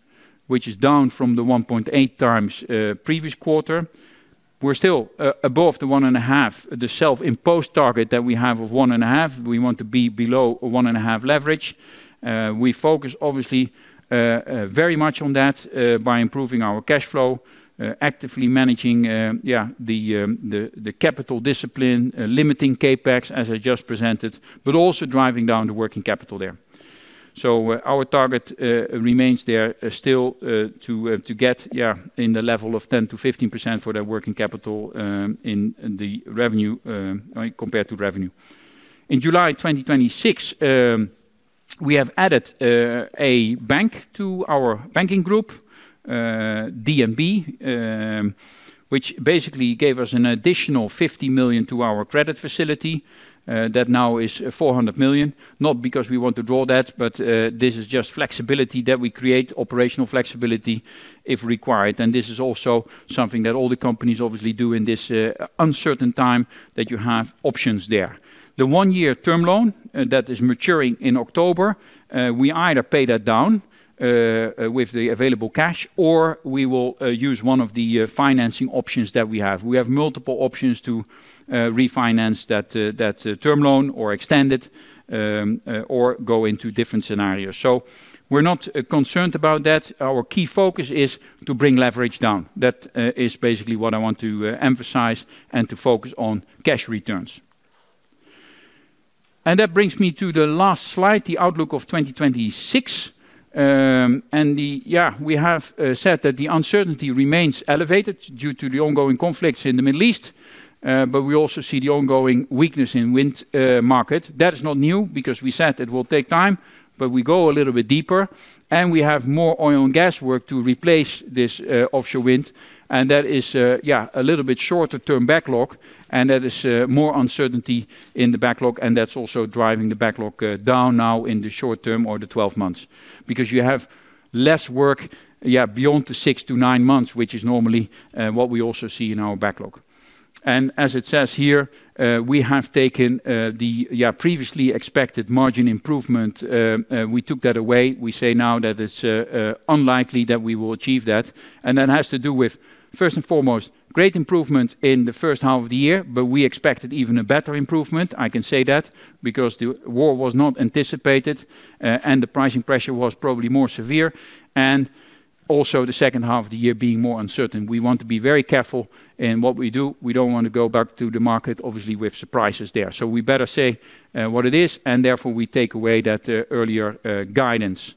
which is down from the 1.8x previous quarter. We're still above the 1.5, the self-imposed target that we have of 1.5. We want to be below a 1.5 leverage. We focus obviously very much on that by improving our cash flow, actively managing the capital discipline, limiting CapEx as I just presented, but also driving down the working capital there. Our target remains there still to get in the level of 10%-15% for that working capital compared to revenue. In July 2026, we have added a bank to our banking group, DNB, which basically gave us an additional 50 million to our credit facility. That now is 400 million. Not because we want to draw that, but this is just flexibility that we create, operational flexibility if required. This is also something that all the companies obviously do in this uncertain time that you have options there. The one-year term loan that is maturing in October, we either pay that down with the available cash, or we will use one of the financing options that we have. We have multiple options to refinance that term loan or extend it or go into different scenarios. We're not concerned about that. Our key focus is to bring leverage down. That is basically what I want to emphasize and to focus on cash returns. That brings me to the last slide, the outlook of 2026. We have said that the uncertainty remains elevated due to the ongoing conflicts in the Middle East, but we also see the ongoing weakness in wind market. That is not new because we said it will take time. We go a little bit deeper and we have more oil and gas work to replace this offshore wind, and that is a little bit shorter term backlog, and that is more uncertainty in the backlog, and that is also driving the backlog down now in the short term or the 12 months. Because you have less work beyond the six to nine months, which is normally what we also see in our backlog. As it says here, we have taken the previously expected margin improvement, we took that away. We say now that it is unlikely that we will achieve that. That has to do with, first and foremost, great improvement in the first half of the year. We expected even a better improvement, I can say that, because the war was not anticipated. The pricing pressure was probably more severe. Also the second half of the year being more uncertain. We want to be very careful in what we do. We do not want to go back to the market, obviously, with surprises there. We better say what it is. Therefore we take away that earlier guidance.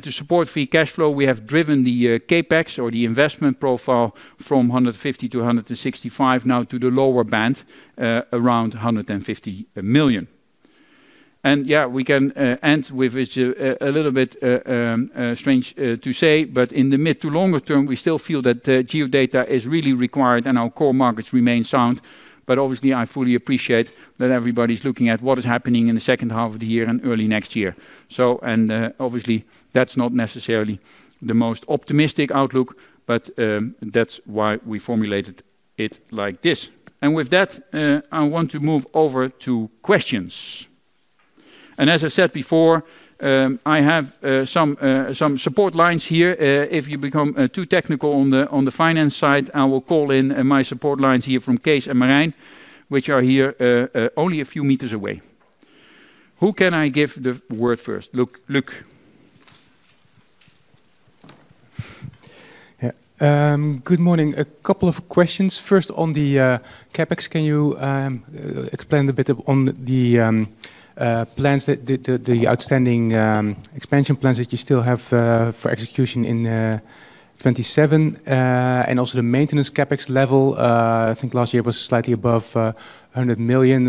To support free cash flow, we have driven the CapEx or the investment profile from 150-165 now to the lower band, around 150 million. We can end with, it is a little bit strange to say. In the mid to longer term, we still feel that geodata is really required and our core markets remain sound. Obviously, I fully appreciate that everybody is looking at what is happening in the second half of the year and early next year. Obviously, that is not necessarily the most optimistic outlook. That is why we formulated it like this. With that, I want to move over to questions. As I said before, I have some support lines here. If you become too technical on the finance side, I will call in my support lines here from Cees and Marijn, which are here only a few meters away. Who can I give the word first? Luuk? Yeah. Good morning. A couple of questions. First, on the CapEx, can you explain a bit on the outstanding expansion plans that you still have for execution in 2027? Also the maintenance CapEx level, I think last year it was slightly above 100 million.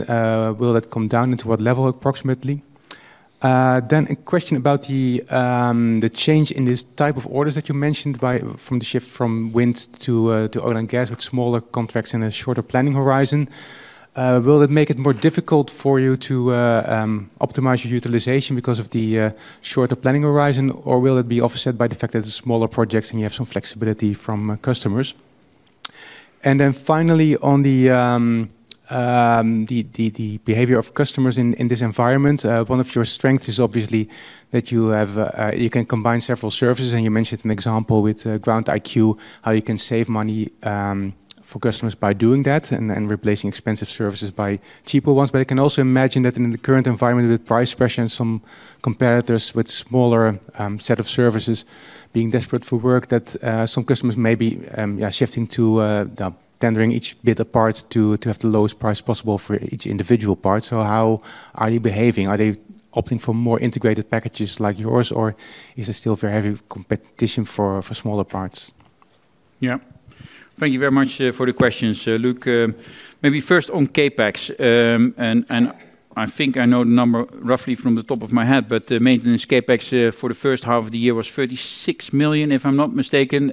Will that come down? Into what level, approximately? A question about the change in this type of orders that you mentioned from the shift from wind to oil and gas, with smaller contracts and a shorter planning horizon. Will it make it more difficult for you to optimize your utilization because of the shorter planning horizon, or will it be offset by the fact that it is smaller projects and you have some flexibility from customers? Finally, on the behavior of customers in this environment. One of your strengths is obviously that you can combine several services, you mentioned an example with GroundIQ®, how you can save money for customers by doing that and replacing expensive services by cheaper ones. I can also imagine that in the current environment with price pressure and some competitors with smaller set of services being desperate for work, that some customers may be shifting to tendering each bit apart to have the lowest price possible for each individual part. How are you behaving? Are they opting for more integrated packages like yours, or is it still very heavy competition for smaller parts? Thank you very much for the questions, Luuk. Maybe first on CapEx, I think I know the number roughly from the top of my head, but the maintenance CapEx for the first half of the year was 36 million, if I'm not mistaken.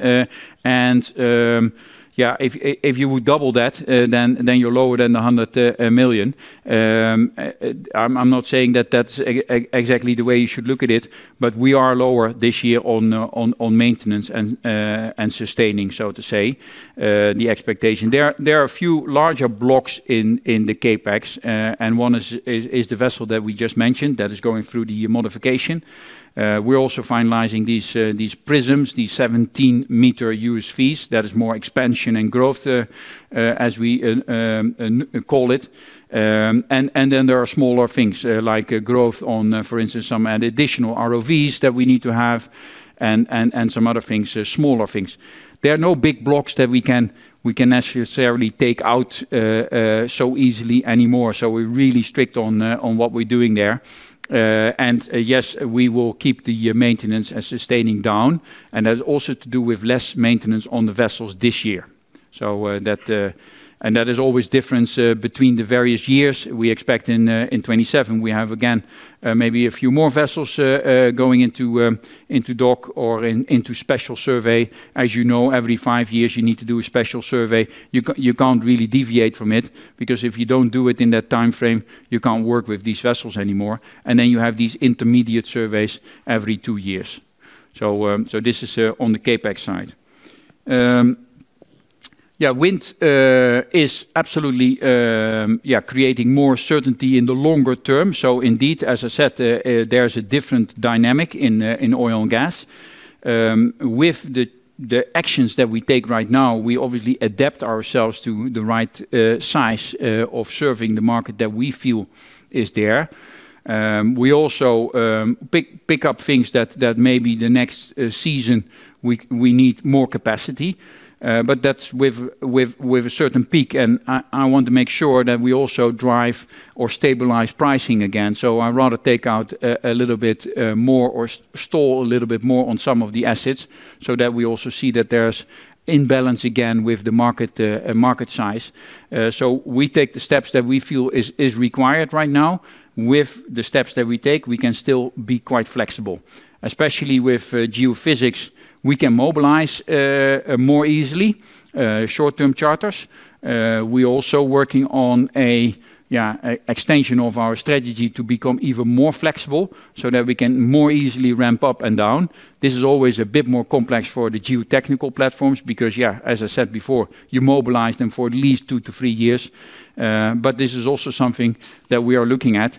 If you would double that, you're lower than 100 million. I'm not saying that that's exactly the way you should look at it, but we are lower this year on maintenance and sustaining, so to say, the expectation. There are a few larger blocks in the CapEx, one is the vessel that we just mentioned that is going through the modification. We're also finalizing these prisms, these 70 m SVs. That is more expansion and growth, as we call it. There are smaller things, like growth on, for instance, some additional ROVs that we need to have and some other things, smaller things. There are no big blocks that we can necessarily take out so easily anymore. We're really strict on what we're doing there. Yes, we will keep the maintenance and sustaining down, that's also to do with less maintenance on the vessels this year. That is always difference between the various years. We expect in 2027, we have again, maybe a few more vessels going into dock or into special survey. As you know, every five years, you need to do a special survey. You can't really deviate from it, because if you don't do it in that timeframe, you can't work with these vessels anymore. Then you have these intermediate surveys every two years. This is on the CapEx side. Wind is absolutely creating more certainty in the longer term. Indeed, as I said, there's a different dynamic in oil and gas. With the actions that we take right now, we obviously adapt ourselves to the right size of serving the market that we feel is there. We also pick up things that maybe the next season we need more capacity, but that's with a certain peak, I want to make sure that we also drive or stabilize pricing again. I'd rather take out a little bit more or stall a little bit more on some of the assets so that we also see that there's imbalance again with the market size. We take the steps that we feel is required right now. With the steps that we take, we can still be quite flexible. Especially with geophysics, we can mobilize more easily, short-term charters. We're also working on an extension of our strategy to become even more flexible so that we can more easily ramp up and down. This is always a bit more complex for the geotechnical platforms because as I said before, you mobilize them for at least two to three years. This is also something that we are looking at.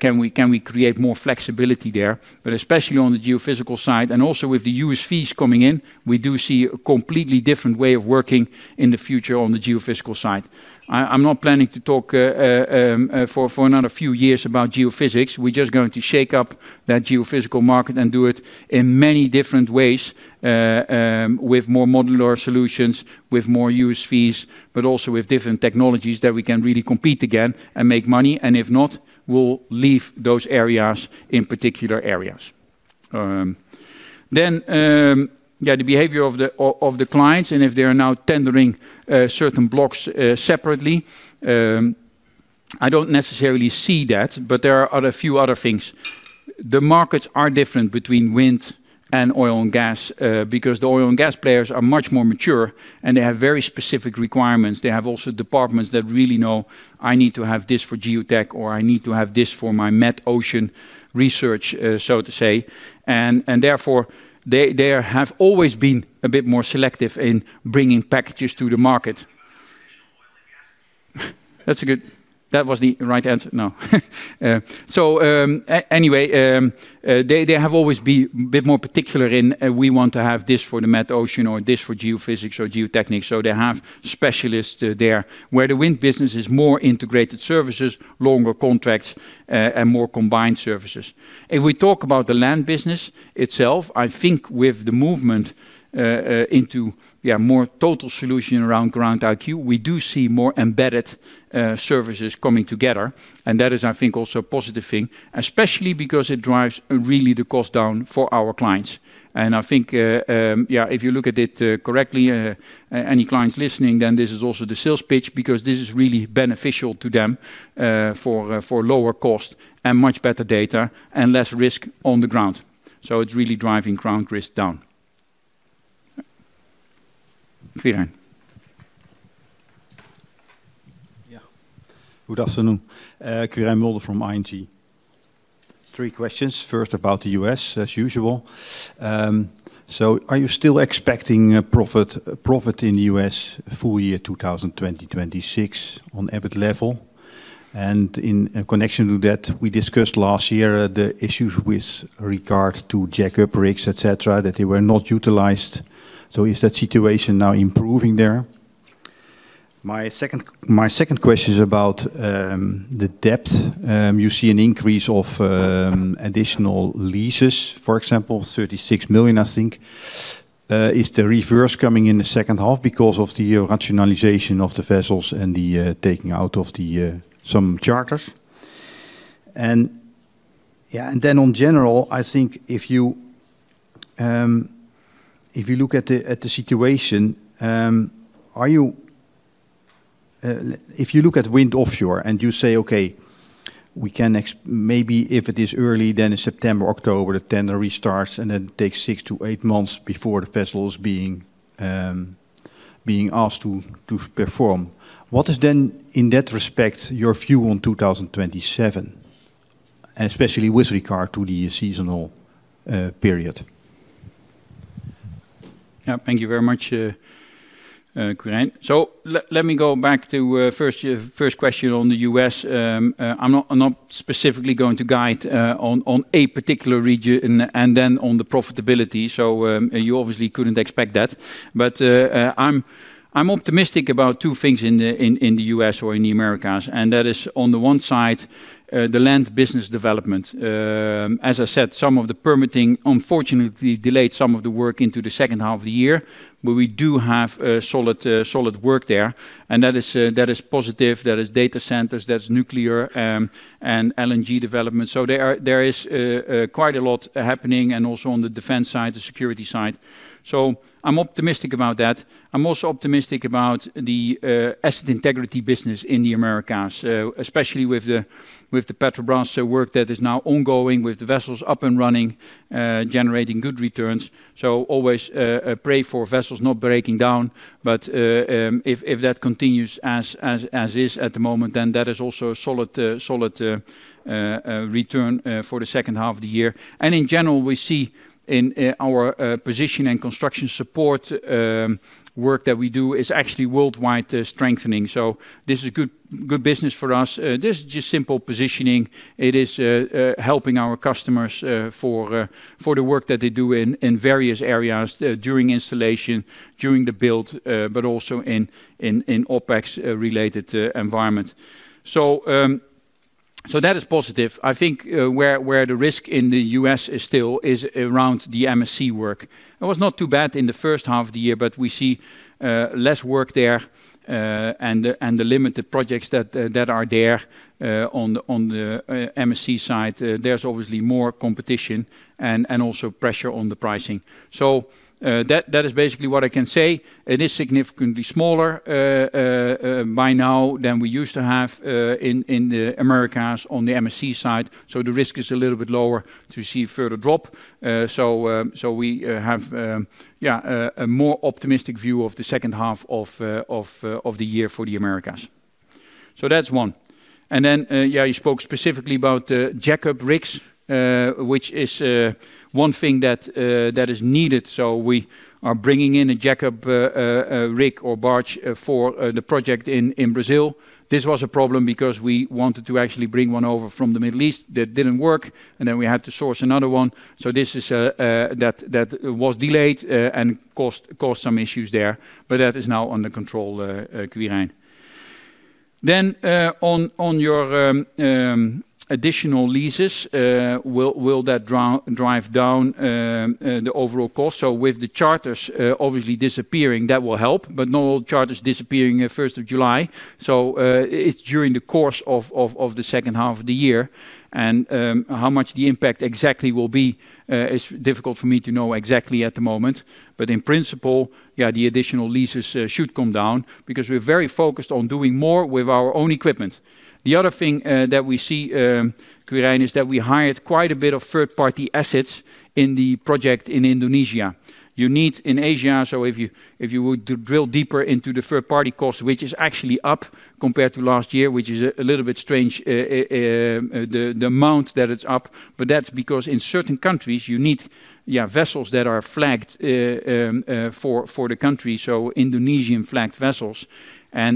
Can we create more flexibility there? Especially on the geophysical side and also with the use fees coming in, we do see a completely different way of working in the future on the geophysical side. I'm not planning to talk for another few years about geophysics. We're just going to shake up that geophysical market and do it in many different ways, with more modular solutions, with more use fees, also with different technologies that we can really compete again and make money. If not, we'll leave those areas in particular areas. The behavior of the clients, if they are now tendering certain blocks separately, I don't necessarily see that, there are a few other things. The markets are different between wind and oil and gas because the oil and gas players are much more mature, and they have very specific requirements. They have also departments that really know, I need to have this for Geotech, or, I need to have this for my metocean research, so to say. Therefore, they have always been a bit more selective in bringing packages to the market. Thats good. That was the right answer. No. Anyway, they have always been a bit more particular in, We want to have this for the metocean or this for geophysics or geotechnics. So they have specialists there. Where the wind business is more integrated services, longer contracts, and more combined services. If we talk about the land business itself, I think with the movement into more total solution around GroundIQ®, we do see more embedded services coming together. That is, I think, also a positive thing, especially because it drives really the cost down for our clients. I think if you look at it correctly, any clients listening, then this is also the sales pitch because this is really beneficial to them for lower cost and much better data and less risk on the ground. It's really driving ground risk down. Quirijn. Yeah. Good afternoon. Quirijn Mulder from ING. Three questions. First, about the U.S., as usual. Are you still expecting profit in the U.S. full-year 2026 on EBIT level? In connection to that, we discussed last year the issues with regard to jack-up rigs, et cetera, that they were not utilized. Is that situation now improving there? My second question is about the depth. You see an increase of additional leases, for example, 36 million, I think. Is the reverse coming in the second half because of the rationalization of the vessels and the taking out of some charters? On general, I think if you look at the situation, if you look at wind offshore and you say, Okay, maybe if it is early, in September, October, the tender restarts, and then it takes six to eight months before the vessel is being asked to perform. What is then, in that respect, your view on 2027, especially with regard to the seasonal period? Yeah. Thank you very much, Quirijn. Let me go back to first question on the U.S. I'm not specifically going to guide on a particular region and then on the profitability. You obviously couldn't expect that. I'm optimistic about two things in the U.S. or in the Americas, and that is on the one side, the land business development. As I said, some of the permitting unfortunately delayed some of the work into the second half of the year, but we do have solid work there, and that is positive. That is data centers, that's nuclear, and LNG development. There is quite a lot happening, and also on the defense side, the security side. I'm optimistic about that. I'm also optimistic about the asset integrity business in the Americas, especially with the Petrobras work that is now ongoing with the vessels up and running, generating good returns. Always pray for vessels not breaking down. If that continues as is at the moment, that is also a solid return for the second half of the year. In general, we see in our position and construction support work that we do is actually worldwide strengthening. This is good business for us. This is just simple positioning. It is helping our customers for the work that they do in various areas during installation, during the build, but also in OpEx-related environment. That is positive. I think where the risk in the U.S. is still is around the MSC work. It was not too bad in the first half of the year, but we see less work there, and the limited projects that are there on the MSC side, there's obviously more competition and also pressure on the pricing. That is basically what I can say. It is significantly smaller by now than we used to have in the Americas on the MSC side. The risk is a little bit lower to see further drop. We have a more optimistic view of the second half of the year for the Americas. That's one. You spoke specifically about the jack-up rigs, which is one thing that is needed. We are bringing in a jack-up rig or barge for the project in Brazil. This was a problem because we wanted to actually bring one over from the Middle East. That didn't work, we had to source another one. That was delayed, and caused some issues there, but that is now under control, Quirijn. On your additional leases, will that drive down the overall cost? With the charters obviously disappearing, that will help, but not all charters disappearing at 1st of July. It's during the course of the second half of the year. How much the impact exactly will be is difficult for me to know exactly at the moment. In principle, the additional leases should come down because we're very focused on doing more with our own equipment. The other thing that we see, Quirijn, is that we hired quite a bit of third-party assets in the project in Indonesia. You need in Asia, if you were to drill deeper into the third-party cost, which is actually up compared to last year, which is a little bit strange, the amount that it's up, but that's because in certain countries, you need vessels that are flagged for the country, Indonesian-flagged vessels.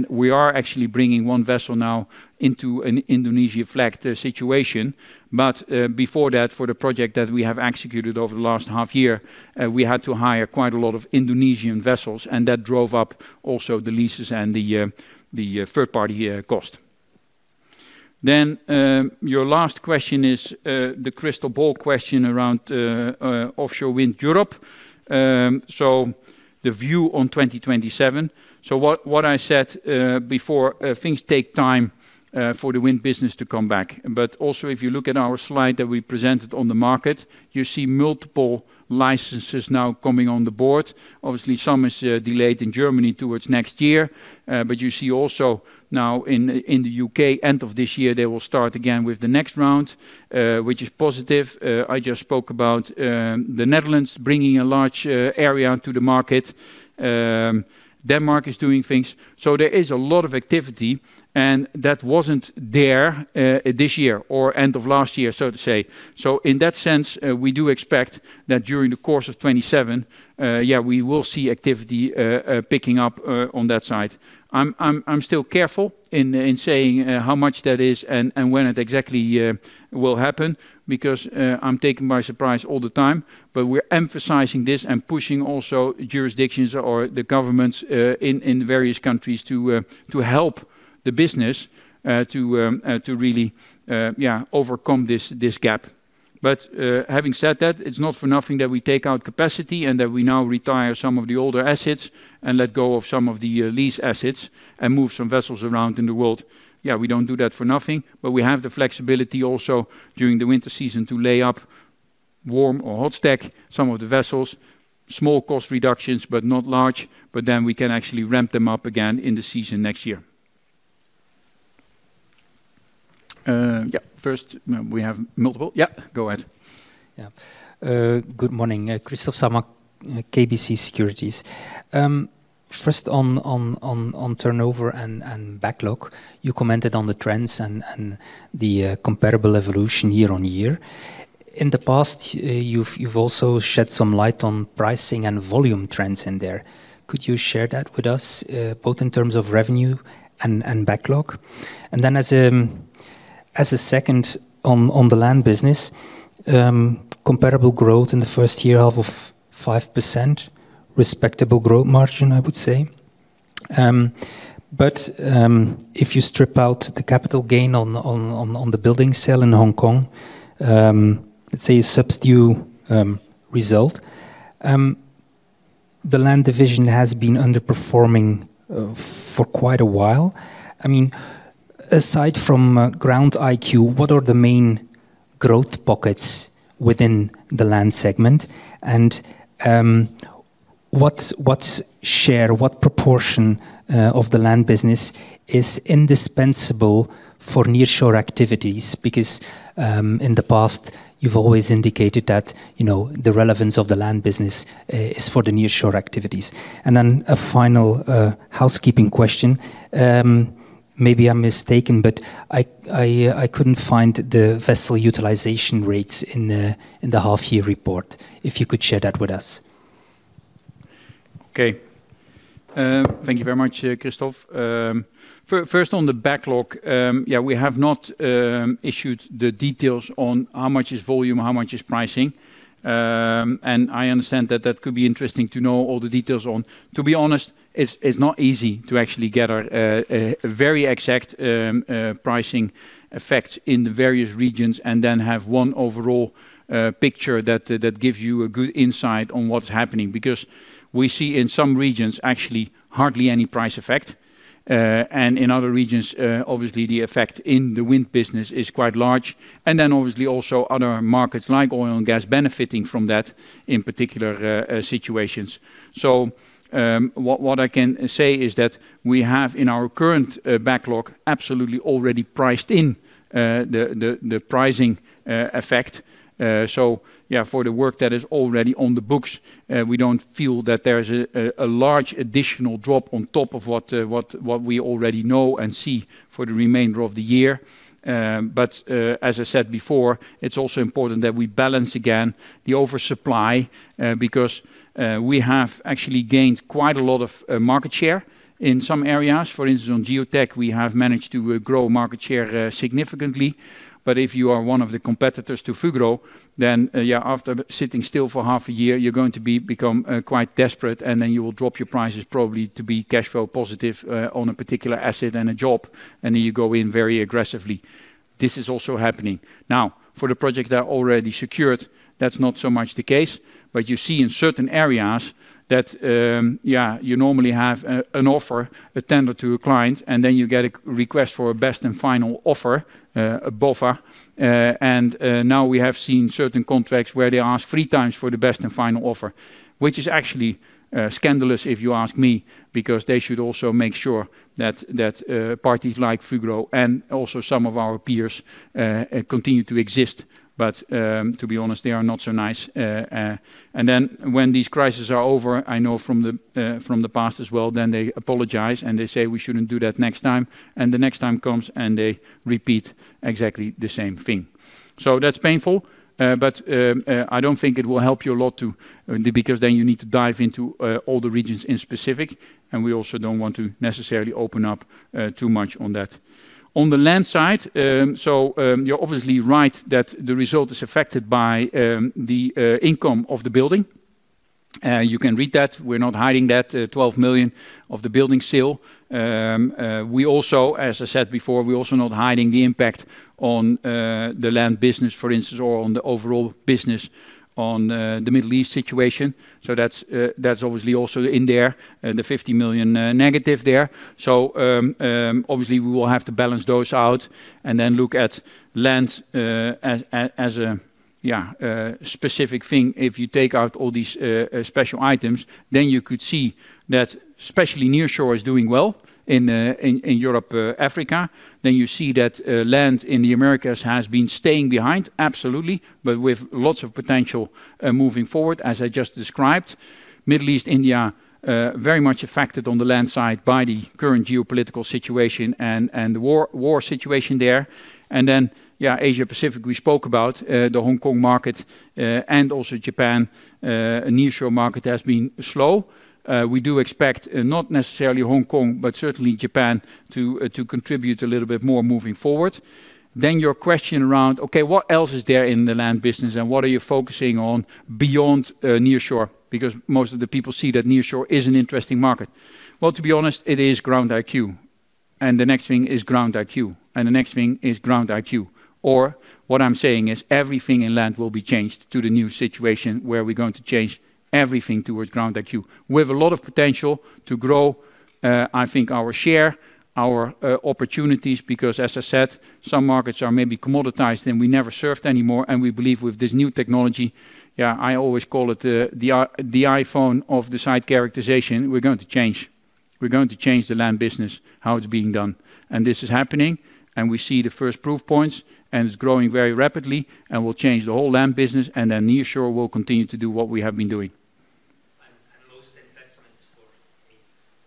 We are actually bringing one vessel now into an Indonesia flagged situation. Before that, for the project that we have executed over the last half year, we had to hire quite a lot of Indonesian vessels, and that drove up also the leases and the third-party cost. Your last question is the crystal ball question around offshore wind Europe. The view on 2027. What I said before, things take time for the wind business to come back. Also, if you look at our slide that we presented on the market, you see multiple licenses now coming on the board. Obviously, some is delayed in Germany towards next year. You see also now in the U.K., end of this year, they will start again with the next round, which is positive. I just spoke about the Netherlands bringing a large area to the market. Denmark is doing things. There is a lot of activity, and that wasn't there this year or end of last year, so to say. In that sense, we do expect that during the course of 2027, we will see activity picking up on that side. I'm still careful in saying how much that is and when it exactly will happen because I'm taken by surprise all the time. We're emphasizing this and pushing also jurisdictions or the governments in various countries to help the business to really overcome this gap. Having said that, it's not for nothing that we take out capacity and that we now retire some of the older assets and let go of some of the lease assets and move some vessels around in the world. We don't do that for nothing. We have the flexibility also during the winter season to lay up warm stack or hot stack some of the vessels. Small cost reductions, not large. Then we can actually ramp them up again in the season next year. First, we have multiple. Yeah, go ahead. Good morning. Kristof Samoy, KBC Securities. First on turnover and backlog. You commented on the trends and the comparable evolution year-over-year. In the past, you've also shed some light on pricing and volume trends in there. Could you share that with us, both in terms of revenue and backlog? Then as a second, on the land business, comparable growth in the first half of 5%, respectable growth margin, I would say. If you strip out the capital gain on the building sale in Hong Kong, let's say a subdued result. The land division has been underperforming for quite a while. Aside from GroundIQ®, what are the main growth pockets within the land segment? What share, what proportion of the land business is indispensable for nearshore activities? In the past, you've always indicated that the relevance of the land business is for the nearshore activities. Then a final housekeeping question. Maybe I'm mistaken, I couldn't find the vessel utilization rates in the half-year report. If you could share that with us. Okay. Thank you very much, Kristof. First on the backlog, we have not issued the details on how much is volume, how much is pricing. I understand that could be interesting to know all the details on. To be honest, it's not easy to actually get a very exact pricing effect in the various regions and then have one overall picture that gives you a good insight on what's happening. We see in some regions actually hardly any price effect. In other regions, obviously the effect in the wind business is quite large. Then obviously also other markets like oil and gas benefiting from that in particular situations. What I can say is that we have in our current backlog absolutely already priced in the pricing effect. For the work that is already on the books, we don't feel that there is a large additional drop on top of what we already know and see for the remainder of the year. But as I said before, it's also important that we balance again the oversupply, because we have actually gained quite a lot of market share in some areas. For instance, on Geotech, we have managed to grow market share significantly. But if you are one of the competitors to Fugro, then after sitting still for half a year, you're going to become quite desperate and then you will drop your prices probably to be cash flow positive on a particular asset and a job, and then you go in very aggressively. This is also happening. Now, for the projects that are already secured, that's not so much the case. You see in certain areas that you normally have an offer, a tender to a client, and then you get a request for a Best and Final Offer, a BAFO. And now we have seen certain contracts where they ask three times for the Best and Final Offer, which is actually scandalous if you ask me, because they should also make sure that parties like Fugro and also some of our peers continue to exist. But to be honest, they are not so nice. And then when these crises are over, I know from the past as well, then they apologize and they say we shouldn't do that next time, and the next time comes and they repeat exactly the same thing. That's painful, but I don't think it will help you a lot too, because then you need to dive into all the regions in specific, and we also don't want to necessarily open up too much on that. On the land side, you're obviously right that the result is affected by the income of the building. You can read that, we're not hiding that 12 million of the building sale. As I said before, we're also not hiding the impact on the land business, for instance, or on the overall business on the Middle East situation. That's obviously also in there, the 50 million negative there. Obviously we will have to balance those out and then look at land as a specific thing. If you take out all these special items, then you could see that especially Nearshore is doing well in Europe/Africa. You see that land in the Americas has been staying behind, absolutely, but with lots of potential moving forward, as I just described. Middle East, India, very much affected on the land side by the current geopolitical situation and the war situation there. Asia-Pacific, we spoke about the Hong Kong market, and also Japan, Nearshore market has been slow. We do expect not necessarily Hong Kong, but certainly Japan to contribute a little bit more moving forward. Your question around, okay, what else is there in the land business and what are you focusing on beyond Nearshore? Because most of the people see that Nearshore is an interesting market. Well, to be honest, it is GroundIQ®, and the next thing is GroundIQ®, and the next thing is GroundIQ® What I'm saying is everything in land will be changed to the new situation where we're going to change everything towards GroundIQ®. We have a lot of potential to grow, I think our share, our opportunities, because as I said, some markets are maybe commoditized and we never surfed anymore, and we believe with this new technology, I always call it the iPhone of the site characterization, we're going to change. We're going to change the land business, how it's being done. This is happening. We see the first proof points, and it's growing very rapidly, and will change the whole land business. Then Nearshore will continue to do what we have been doing. Most investments for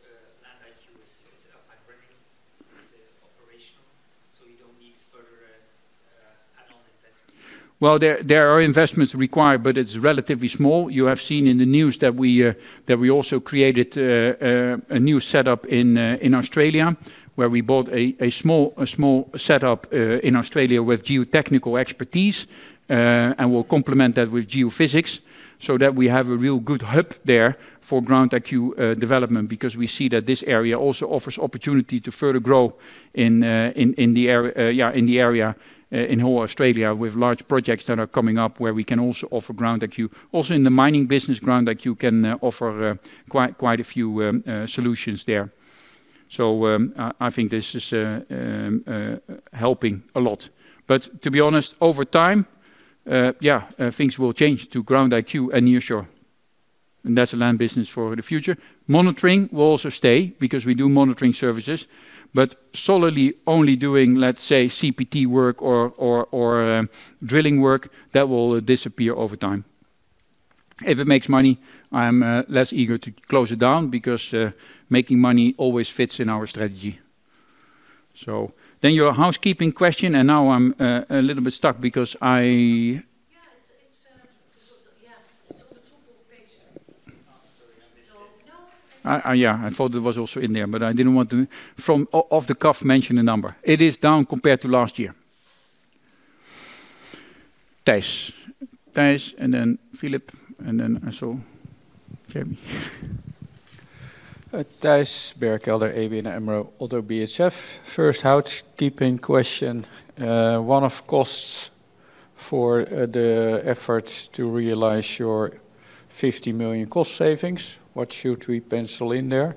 GroundIQ® is up and running, is operational, so you don't need further add-on investments? Well, there are investments required, but it's relatively small. You have seen in the news that we also created a new setup in Australia, where we bought a small setup in Australia with geotechnical expertise, and we'll complement that with geophysics so that we have a real good hub there for GroundIQ® development, because we see that this area also offers opportunity to further grow in the area, in whole Australia, with large projects that are coming up where we can also offer GroundIQ®. In the mining business, GroundIQ® can offer quite a few solutions there. I think this is helping a lot. To be honest, over time things will change to GroundIQ® and Nearshore, and that's the land business for the future. Monitoring will also stay because we do monitoring services, but solely only doing, let's say, CPT work or drilling work, that will disappear over time. If it makes money, I'm less eager to close it down because making money always fits in our strategy. Your housekeeping question, and now I'm a little bit stuck because I Yeah, it's on the top of the page. Sorry, No. Yeah, I thought it was also in there, but I didn't want to off-the-cuff mention a number. It is down compared to last year. Thijs, and then Philippe, and then I saw Jeremy. Thijs Berkelder, ABN AMRO-ODDO BHF. First housekeeping question, one-off costs for the efforts to realize your 50 million cost savings, what should we pencil in there?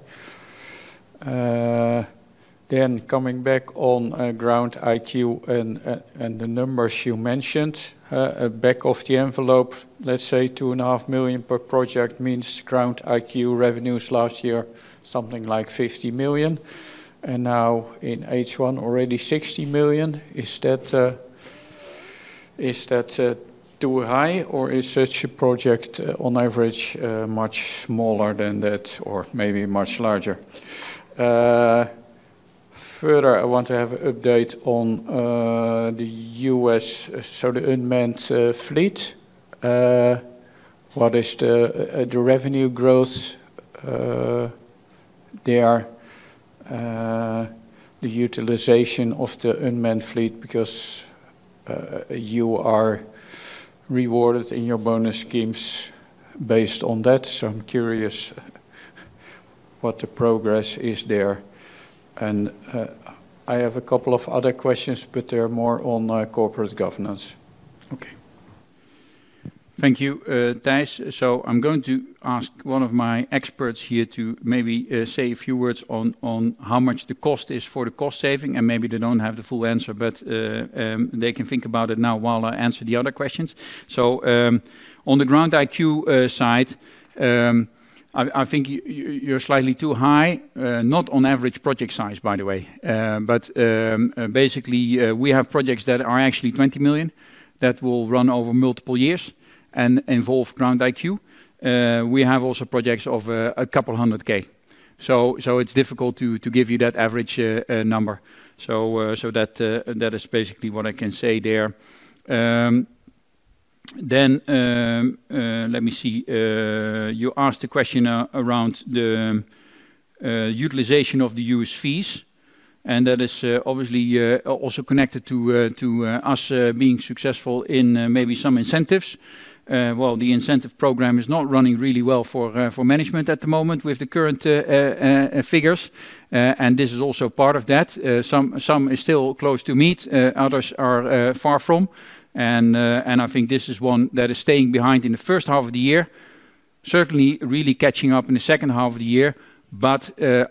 Coming back on GroundIQ® and the numbers you mentioned, back of the envelope, let's say two and a half million per project means GroundIQ® revenues last year, something like 50 million, and now in H1, already 60 million. Is that too high, or is such a project, on average, much smaller than that, or maybe much larger? Further, I want to have an update on the U.S. unmanned fleet. What is the revenue growth there? The utilization of the unmanned fleet, because you are rewarded in your bonus schemes based on that, so I'm curious what the progress is there. I have a couple of other questions, but they're more on corporate governance. Okay. Thank you, Thijs. I'm going to ask one of my experts here to maybe say a few words on how much the cost is for the cost saving, and maybe they don't have the full answer, but they can think about it now while I answer the other questions. On the GroundIQ® side, I think you're slightly too high. Not on average project size, by the way. Basically, we have projects that are actually 20 million that will run over multiple years and involve GroundIQ®. We have also projects of a couple 100,000. It's difficult to give you that average number. That is basically what I can say there. Let me see. You asked a question around the utilization of the USVs, and that is obviously also connected to us being successful in maybe some incentives. The incentive program is not running really well for management at the moment with the current figures. This is also part of that. Some is still close to meet, others are far from, and I think this is one that is staying behind in the first half of the year. Certainly, really catching up in the second half of the year.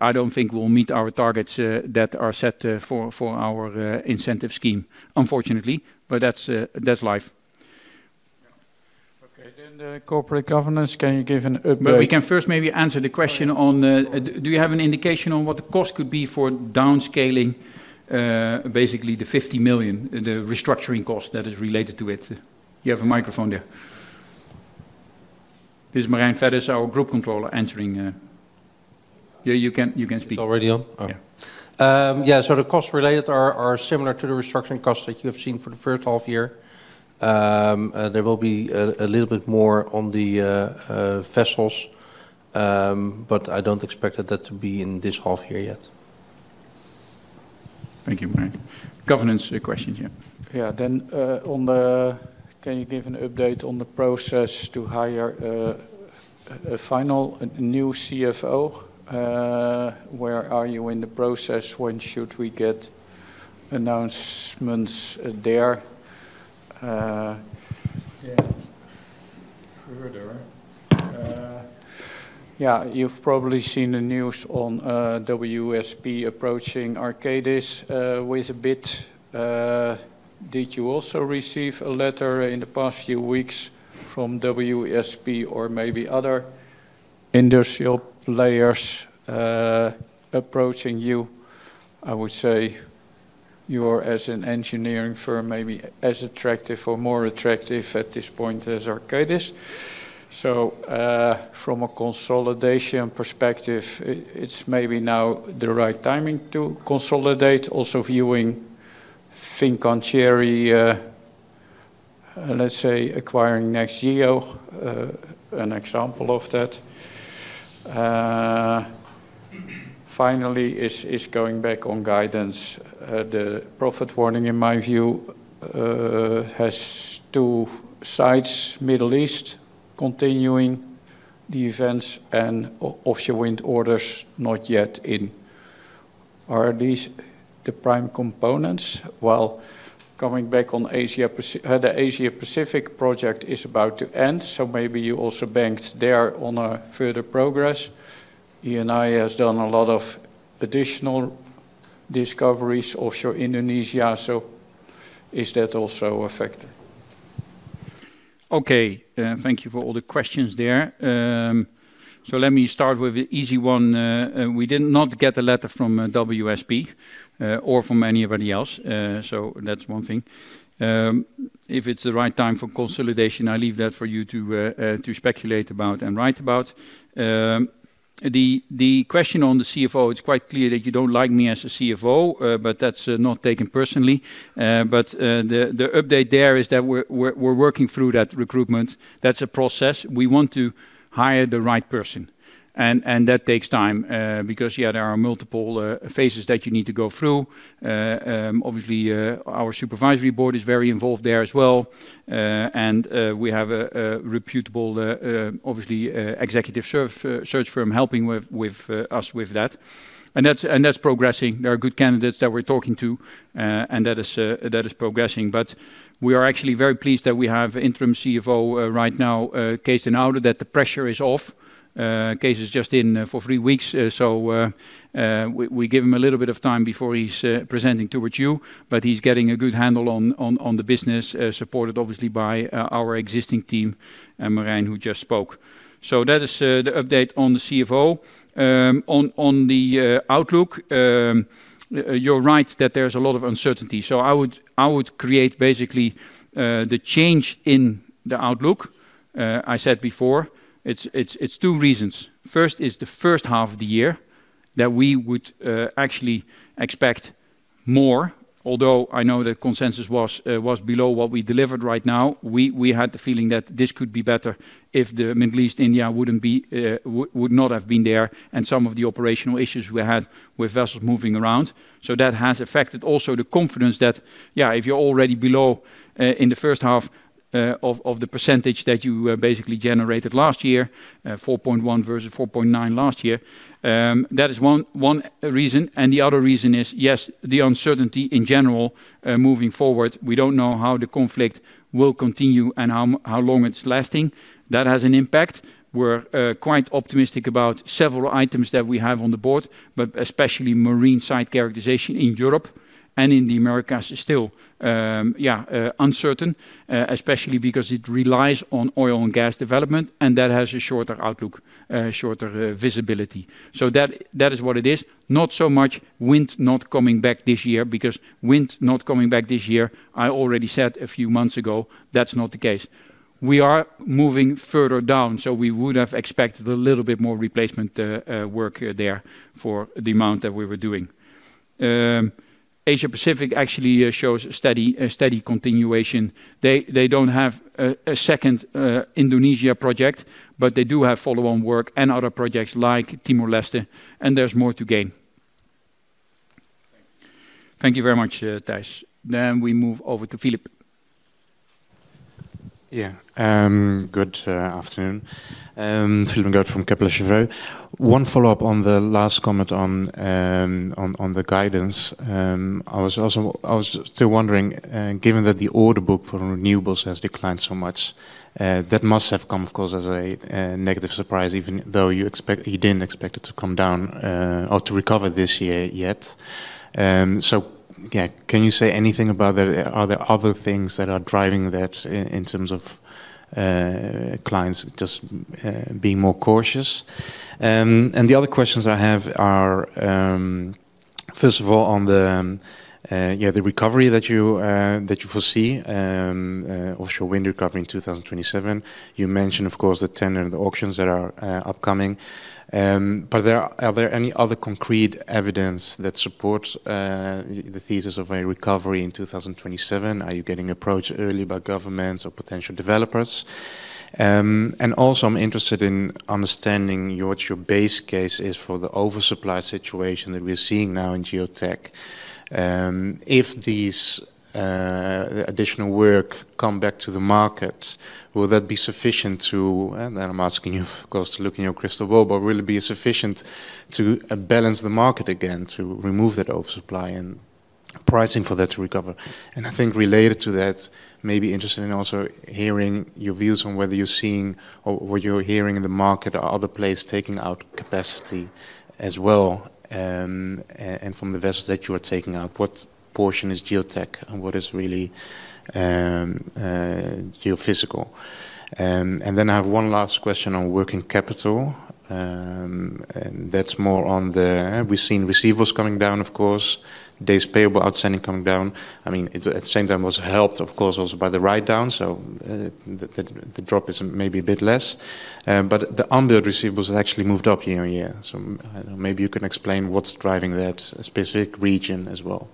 I don't think we'll meet our targets that are set for our incentive scheme, unfortunately. That's life. Okay. The corporate governance, can you give an update? We can first maybe answer the question on, do you have an indication on what the cost could be for downscaling basically the 50 million, the restructuring cost that is related to it? You have a microphone there. This is Marijn Feddes, our Group Controller, answering. You can speak. It's already on? Yeah. The costs related are similar to the restructuring costs that you have seen for the first half year. There will be a little bit more on the vessels, but I don't expect that to be in this half year yet. Thank you, Marijn. Governance questions, yeah. Yeah. Can you give an update on the process to hire a final new CFO? Where are you in the process? When should we get announcements there? Further, you've probably seen the news on WSP approaching Arcadis with a bid. Did you also receive a letter in the past few weeks from WSP or maybe other industrial players approaching you? I would say you're, as an engineering firm, maybe as attractive or more attractive at this point as Arcadis. From a consolidation perspective, it's maybe now the right timing to consolidate. Also viewing Fincantieri, let's say acquiring NextGeo, an example of that. Finally, is going back on guidance. The profit warning, in my view, has two sides, Middle East continuing the events, and offshore wind orders not yet in. Are these the prime components? While coming back on the Asia-Pacific project is about to end, maybe you also banked there on further progress. ENI has done a lot of additional discoveries offshore Indonesia, is that also a factor? Okay. Thank you for all the questions there. Let me start with the easy one. We did not get a letter from WSP, or from anybody else. That's one thing. If it's the right time for consolidation, I leave that for you to speculate about and write about. The question on the CFO, it's quite clear that you don't like me as a CFO, that's not taken personally. The update there is that we're working through that recruitment. That's a process. We want to hire the right person, that takes time, because there are multiple phases that you need to go through. Obviously, our supervisory board is very involved there as well. We have a reputable executive search firm helping us with that. That's progressing. There are good candidates that we're talking to, that is progressing. We are actually very pleased that we have Interim CFO right now, Cees den Ouden, that the pressure is off. Cees is just in for three weeks, we give him a little bit of time before he's presenting towards you. He's getting a good handle on the business, supported obviously by our existing team, Marijn, who just spoke. That is the update on the CFO. On the outlook, you're right that there's a lot of uncertainty. I would create basically the change in the outlook. I said before, it's two reasons. First is the first half of the year that we would actually expect more, although I know the consensus was below what we delivered right now. We had the feeling that this could be better if the Middle East, India would not have been there, and some of the operational issues we had with vessels moving around. That has affected also the confidence that if you're already below in the first half of the percentage that you basically generated last year, 4.1% versus 4.9% last year, that is one reason. The other reason is the uncertainty in general, moving forward. We don't know how the conflict will continue and how long it's lasting. That has an impact. We're quite optimistic about several items that we have on the board, especially marine site characterization in Europe and in the Americas is still uncertain, especially because it relies on oil and gas development, that has a shorter outlook, shorter visibility. That is what it is. Not so much wind not coming back this year, because wind not coming back this year, I already said a few months ago, that is not the case. We are moving further down, so we would have expected a little bit more replacement work there for the amount that we were doing. Asia-Pacific actually shows a steady continuation. They do not have a second Indonesia project, but they do have follow-on work and other projects like Timor-Leste, and there is more to gain. Thank you very much, Thijs. We move over to Philippe. Good afternoon. Philippe Ferreira from Kepler Cheuvreux. One follow-up on the last comment on the guidance. I was still wondering, given that the order book for renewables has declined so much, that must have come, of course, as a negative surprise, even though you did not expect it to come down, or to recover this year yet. Can you say anything about, are there other things that are driving that in terms of clients just being more cautious? The other questions I have are, first of all, on the recovery that you foresee, offshore wind recovery in 2027. You mentioned, of course, the tender, the auctions that are upcoming. Are there any other concrete evidence that supports the thesis of a recovery in 2027? Are you getting approached early by governments or potential developers? I'm interested in understanding what your base case is for the oversupply situation that we're seeing now in Geotech. If these additional work come back to the market, will that be sufficient to, and I'm asking you, of course, to look in your crystal ball, but will it be sufficient to balance the market again, to remove that oversupply and pricing for that to recover? I think related to that, maybe interested in also hearing your views on whether you're seeing or what you're hearing in the market or other players taking out capacity as well, and from the vessels that you are taking out, what portion is Geotech and what is really geophysical? Then I have one last question on working capital. That's more on the, we've seen receivables coming down, of course, days payable outstanding coming down. At the same time, it was helped, of course, also by the write-down, so the drop is maybe a bit less. The unbilled receivables have actually moved up year-on-year. Maybe you can explain what's driving that specific region as well.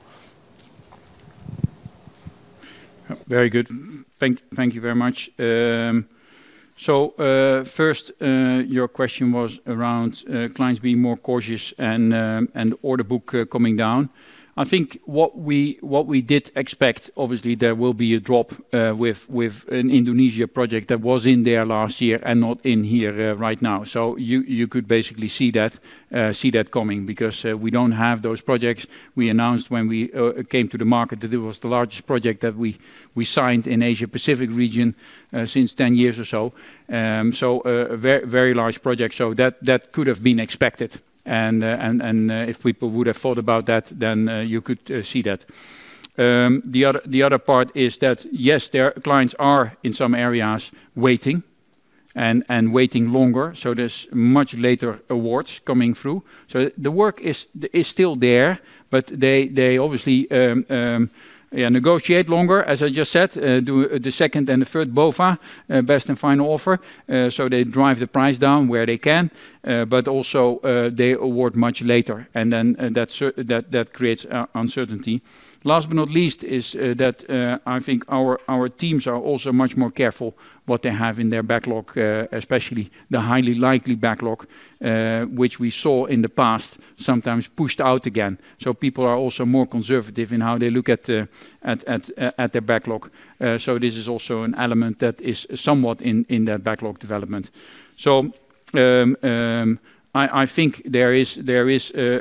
Very good. Thank you very much. First, your question was around clients being more cautious and order book coming down. I think what we did expect, obviously, there will be a drop, with an Indonesia project that was in there last year and not in here right now. You could basically see that coming because we don't have those projects. We announced when we came to the market that it was the largest project that we signed in Asia-Pacific region since 10 years or so. A very large project. That could have been expected. If people would have thought about that, then you could see that. The other part is that, yes, clients are, in some areas, waiting waiting longer, so there's much later awards coming through. The work is still there, but they obviously negotiate longer, as I just said, do the second and the third BAFO, best and final offer. They drive the price down where they can, but also they award much later and then that creates uncertainty. Last but not least, is that I think our teams are also much more careful what they have in their backlog, especially the highly likely backlog, which we saw in the past sometimes pushed out again. People are also more conservative in how they look at their backlog. This is also an element that is somewhat in their backlog development. I think there is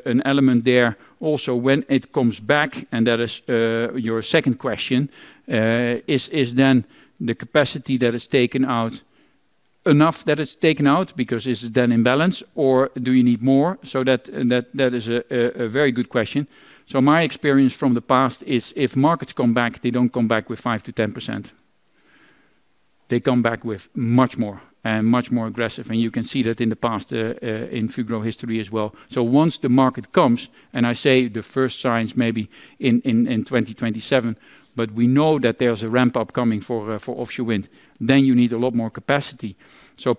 an element there also when it comes back, and that is your second question, is then the capacity that is taken out, enough that is taken out because is it then in balance or do you need more? That is a very good question. My experience from the past is if markets come back, they don't come back with 5%-10%. They come back with much more and much more aggressive, and you can see that in the past, in Fugro history as well. Once the market comes, and I say the first signs maybe in 2027, but we know that there's a ramp-up coming for offshore wind, then you need a lot more capacity.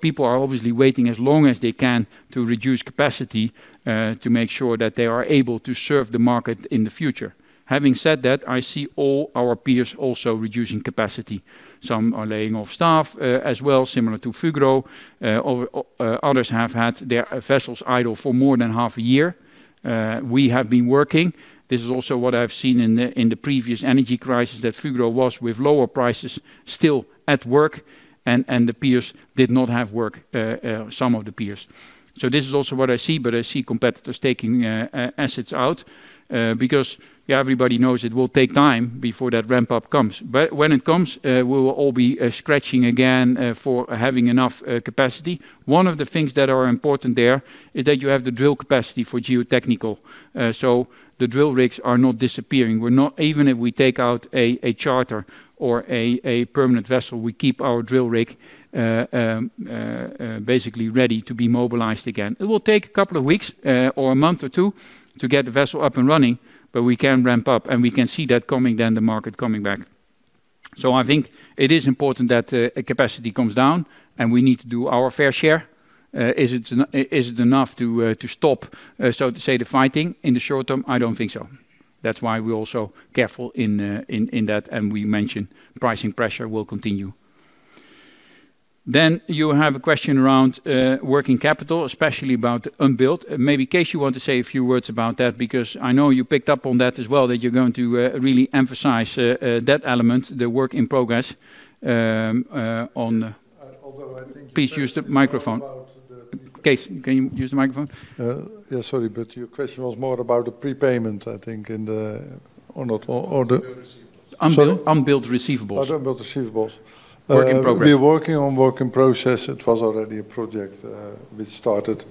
People are obviously waiting as long as they can to reduce capacity to make sure that they are able to serve the market in the future. Having said that, I see all our peers also reducing capacity. Some are laying off staff, as well, similar to Fugro. Others have had their vessels idle for more than half a year. We have been working. This is also what I've seen in the previous energy crisis that Fugro was with lower prices still at work and the peers did not have work, some of the peers. This is also what I see, but I see competitors taking assets out, because everybody knows it will take time before that ramp-up comes. When it comes, we will all be scratching again for having enough capacity. One of the things that are important there is that you have the drill capacity for geotechnical. The drill rigs are not disappearing. Even if we take out a charter or a permanent vessel, we keep our drill rig basically ready to be mobilized again. It will take a couple of weeks or a month or two to get the vessel up and running, but we can ramp up, and we can see that coming then the market coming back. I think it is important that capacity comes down, and we need to do our fair share. Is it enough to stop, so to say, the fighting in the short term? I don't think so. That's why we're also careful in that, and we mentioned pricing pressure will continue. You have a question around working capital, especially about unbilled. Maybe Cees, you want to say a few words about that, because I know you picked up on that as well, that you're going to really emphasize that element, the work in progress. Please use the microphone. Cees, can you use the microphone? Yeah, sorry, your question was more about the prepayment, I think, in the? Or not? Unbilled receivables. Unbilled receivables. Work in progress. We're working on work in process. It was already a project which started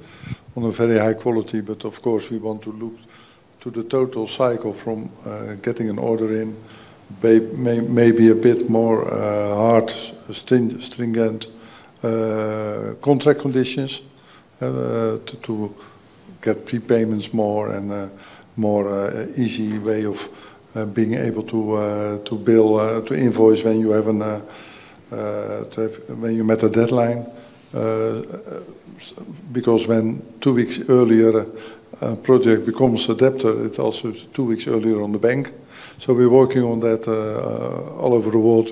on a very high quality. Of course, we want to look to the total cycle from getting an order in, maybe a bit more hard, stringent contract conditions, to get prepayments more and more easy way of being able to invoice when you met a deadline. Because when two weeks earlier, project becomes adept, it's also two weeks earlier on the bank. We're working on that all over the world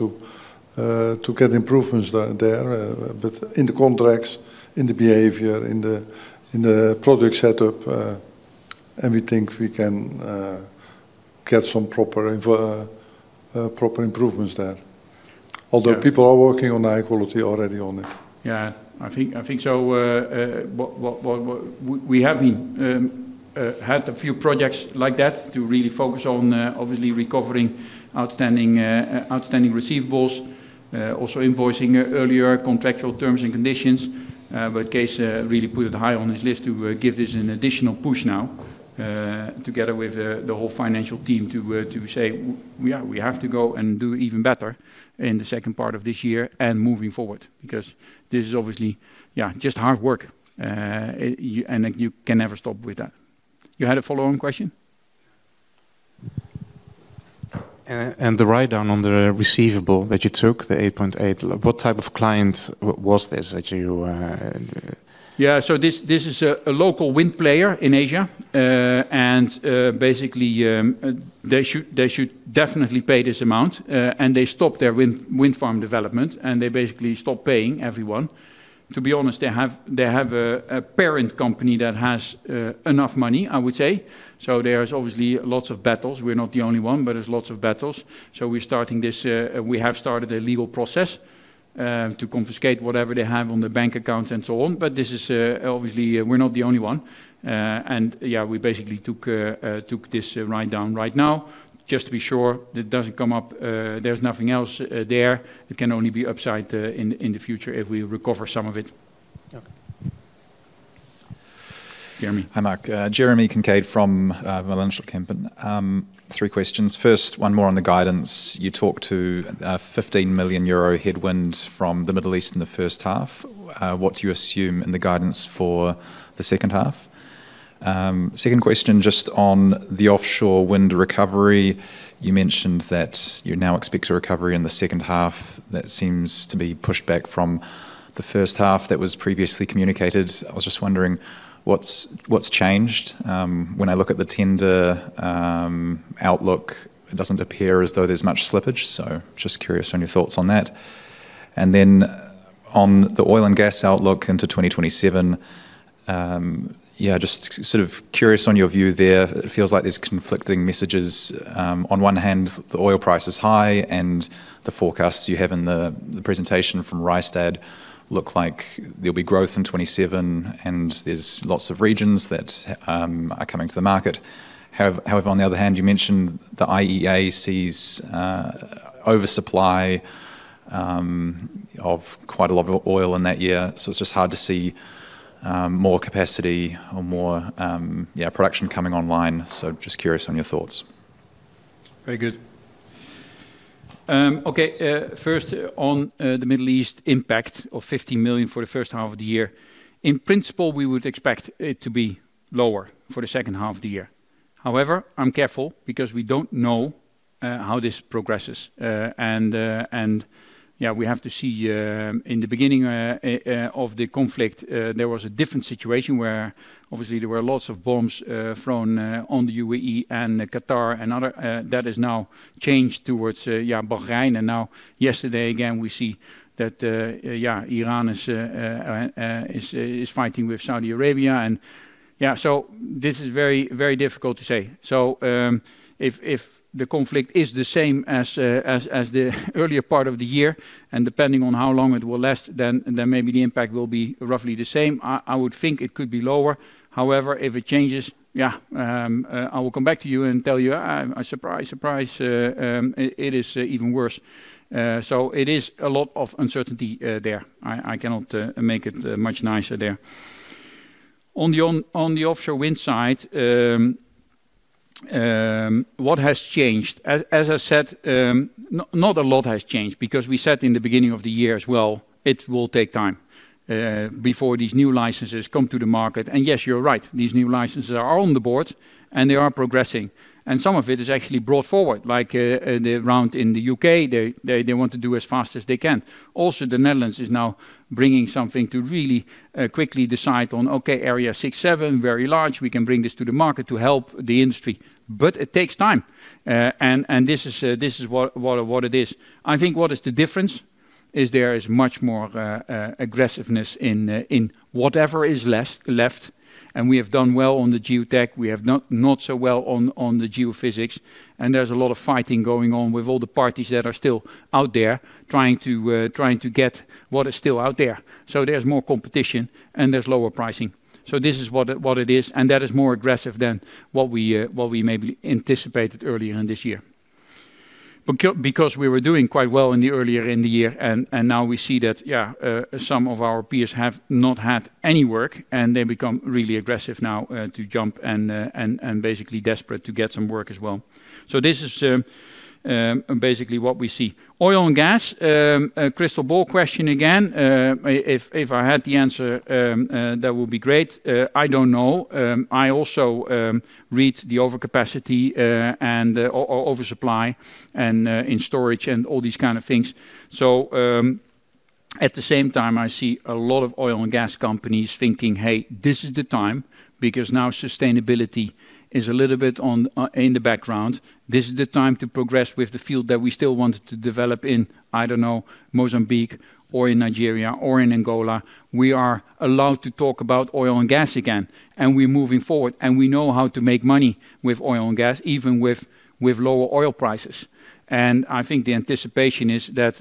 to get improvements there. In the contracts, in the behavior, in the project setup. We think we can get some proper improvements there. Although people are working on high quality already on it. Yeah. I think so. We have had a few projects like that to really focus on, obviously recovering outstanding receivables, also invoicing earlier contractual terms and conditions. Cees really put it high on his list to give this an additional push now, together with the whole financial team to say, we have to go and do even better in the second part of this year and moving forward. This is obviously just hard work. You can never stop with that. You had a follow-on question? The write-down on the receivable that you took, the 8.8, what type of client was this that you Yeah, this is a local wind player in Asia. Basically, they should definitely pay this amount. They stopped their wind farm development. They basically stopped paying everyone. To be honest, they have a parent company that has enough money, I would say. There's obviously lots of battles. We're not the only one. There's lots of battles. We have started a legal process to confiscate whatever they have on their bank accounts and so on. Obviously, we're not the only one. Yeah, we basically took this write-down right now, just to be sure that doesn't come up, there's nothing else there. It can only be upside in the future if we recover some of it. Okay. Jeremy Hi, Mark. Jeremy Kincaid from Van Lanschot Kempen. Three questions. One more on the guidance. You talked to a 15 million euro headwind from the Middle East in the first half. What do you assume in the guidance for the second half? Just on the offshore wind recovery, you mentioned that you now expect a recovery in the second half. That seems to be pushed back from the first half that was previously communicated. I was just wondering what's changed. When I look at the tender outlook, it doesn't appear as though there's much slippage, just curious on your thoughts on that. On the oil and gas outlook into 2027, just curious on your view there. It feels like there's conflicting messages. On one hand, the oil price is high, the forecasts you have in the presentation from Rystad look like there'll be growth in 2027, there's lots of regions that are coming to the market. On the other hand, you mentioned the IEA sees oversupply of quite a lot of oil in that year, it's just hard to see more capacity or more production coming online. Just curious on your thoughts. Very good. Okay. On the Middle East impact of 15 million for the first half of the year. In principle, we would expect it to be lower for the second half of the year. I'm careful because we don't know how this progresses. We have to see. In the beginning of the conflict, there was a different situation where obviously there were lots of bombs thrown on the UAE and Qatar that has now changed towards Bahrain. Yesterday, again, we see that Iran is fighting with Saudi Arabia. This is very difficult to say. If the conflict is the same as the earlier part of the year, depending on how long it will last, maybe the impact will be roughly the same. I would think it could be lower. If it changes, I will come back to you and tell you, Surprise, surprise, it is even worse. It is a lot of uncertainty there. I cannot make it much nicer there. On the offshore wind side, what has changed? As I said, not a lot has changed because we said in the beginning of the year as well, it will take time before these new licenses come to the market. Yes, you're right, these new licenses are on the board, they are progressing. Some of it is actually brought forward, like the round in the U.K., they want to do as fast as they can. The Netherlands is now bringing something to really quickly decide on, okay, area six, seven, very large. We can bring this to the market to help the industry. It takes time. This is what it is. I think what the difference is, there is much more aggressiveness in whatever is left, and we have done well on the Geotech. We have not so well on the geophysics, and there is a lot of fighting going on with all the parties that are still out there trying to get what is still out there. There is more competition and there is lower pricing. This is what it is, and that is more aggressive than what we maybe anticipated earlier in this year. We were doing quite well earlier in the year, and now we see that some of our peers have not had any work, and they become really aggressive now to jump and basically desperate to get some work as well. This is basically what we see. Oil and gas, a crystal ball question again. If I had the answer, that would be great. I do not know. I also read the overcapacity and oversupply in storage and all these kind of things. At the same time, I see a lot of oil and gas companies thinking, Hey, this is the time, because now sustainability is a little bit in the background. This is the time to progress with the field that we still want to develop in, I do not know, Mozambique or in Nigeria or in Angola. We are allowed to talk about oil and gas again, and we are moving forward, and we know how to make money with oil and gas, even with lower oil prices. I think the anticipation is that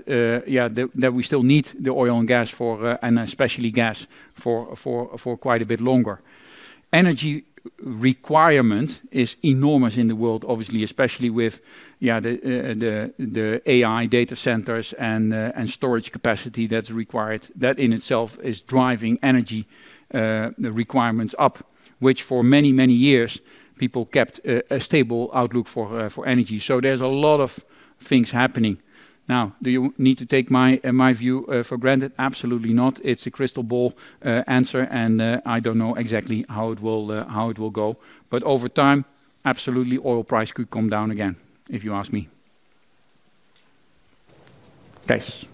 we still need the oil and gas, and especially gas, for quite a bit longer. Energy requirement is enormous in the world, obviously, especially with the AI data centers and storage capacity that is required. That in itself is driving energy requirements up, which for many, many years, people kept a stable outlook for energy. There is a lot of things happening. Now, do you need to take my view for granted? Absolutely not. It is a crystal ball answer, and I do not know exactly how it will go. Over time, absolutely, oil price could come down again, if you ask me. Thijs.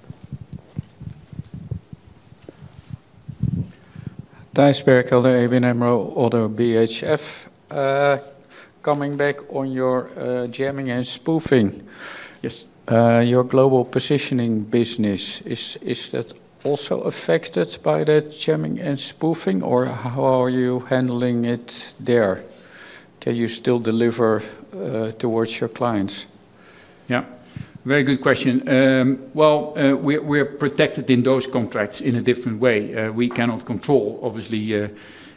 Thijs Berkelder, ABN AMRO-ODDO BHF. Coming back on your jamming and spoofing. Yes. Your global positioning business, is that also affected by that jamming and spoofing, or how are you handling it there? Can you still deliver towards your clients? Yeah. Very good question. Well, we're protected in those contracts in a different way. We cannot control, obviously,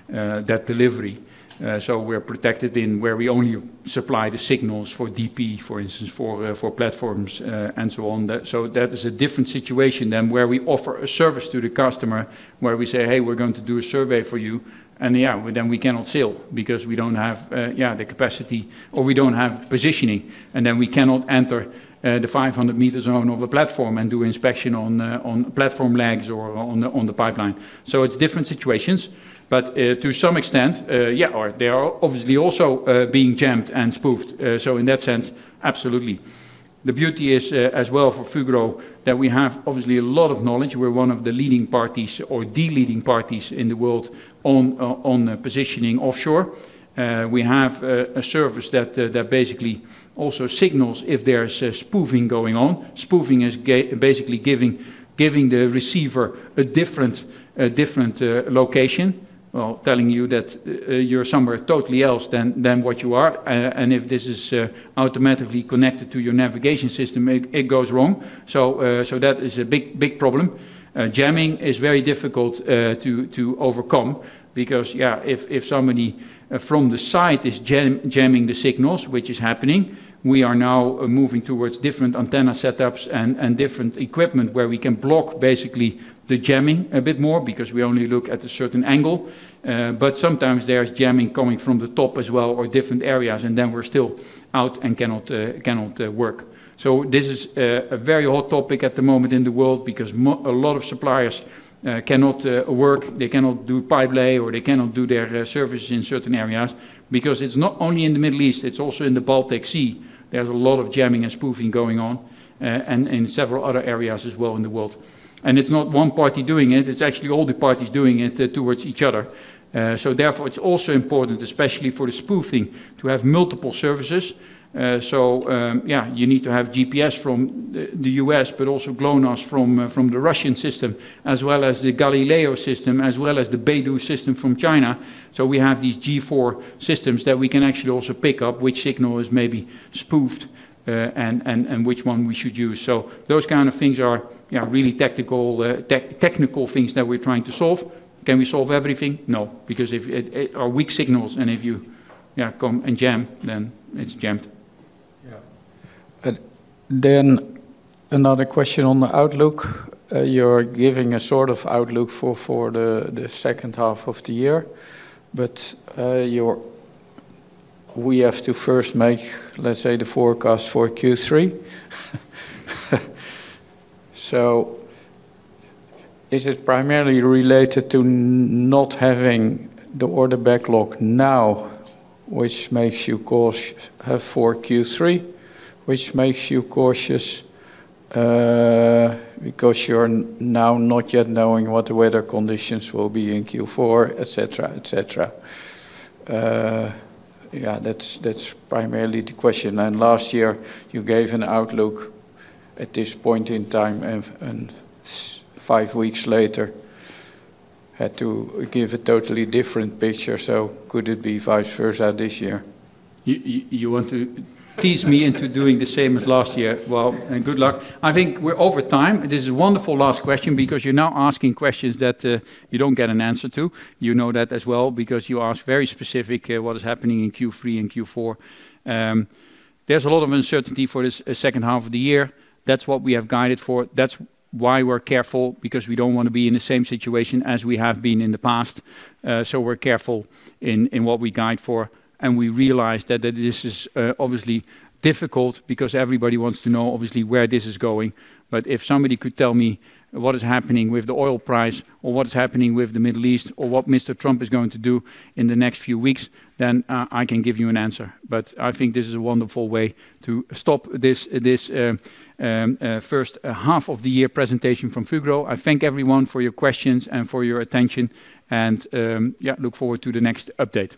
that delivery. We're protected in where we only supply the signals for DP, for instance, for platforms and so on. That is a different situation than where we offer a service to the customer, where we say, Hey, we're going to do a survey for you. Yeah, then we cannot sail because we don't have the capacity or we don't have positioning, and then we cannot enter the 500-m zone of a platform and do inspection on platform legs or on the pipeline. It's different situations, but to some extent, yeah, they are obviously also being jammed and spoofed. In that sense, absolutely. The beauty is as well for Fugro that we have obviously a lot of knowledge. We're one of the leading parties or the leading parties in the world on positioning offshore. We have a service that basically also signals if there's spoofing going on. Spoofing is basically giving the receiver a different location. Well, telling you that you're somewhere totally else than what you are, and if this is automatically connected to your navigation system, it goes wrong. That is a big problem. Jamming is very difficult to overcome because if somebody from the site is jamming the signals, which is happening, we are now moving towards different antenna setups and different equipment where we can block basically the jamming a bit more because we only look at a certain angle. Sometimes there is jamming coming from the top as well, or different areas, and then we're still out and cannot work. This is a very hot topic at the moment in the world because a lot of suppliers cannot work. They cannot do pipe lay, or they cannot do their services in certain areas because it's not only in the Middle East, it's also in the Baltic Sea. There's a lot of jamming and spoofing going on and in several other areas as well in the world. It's not one party doing it. It's actually all the parties doing it towards each other. Therefore, it's also important, especially for the spoofing, to have multiple services. You need to have GPS from the U.S., but also GLONASS from the Russian system, as well as the Galileo system, as well as the BeiDou system from China. We have these G4 systems that we can actually also pick up which signal is maybe spoofed, and which one we should use. Those kind of things are really technical things that we're trying to solve. Can we solve everything? No, because if it are weak signals and if you come and jam, then it's jammed. Another question on the outlook. You're giving a sort of outlook for the second half of the year. We have to first make, let's say, the forecast for Q3. Is it primarily related to not having the order backlog now, which makes you cautious for Q3, which makes you cautious because you're now not yet knowing what the weather conditions will be in Q4, et cetera. That's primarily the question. Last year, you gave an outlook at this point in time and five weeks later, had to give a totally different picture. Could it be vice versa this year? You want to tease me into doing the same as last year? Well, good luck. I think we're over time. This is a wonderful last question because you're now asking questions that you don't get an answer to. You know that as well because you ask very specific what is happening in Q3 and Q4. There's a lot of uncertainty for this second half of the year. That's what we have guided for. That's why we're careful, because we don't want to be in the same situation as we have been in the past. We're careful in what we guide for, and we realize that this is obviously difficult because everybody wants to know, obviously, where this is going. If somebody could tell me what is happening with the oil price or what is happening with the Middle East, or what Mr. Trump is going to do in the next few weeks, I can give you an answer. I think this is a wonderful way to stop this first half of the year presentation from Fugro. I thank everyone for your questions and for your attention and look forward to the next update.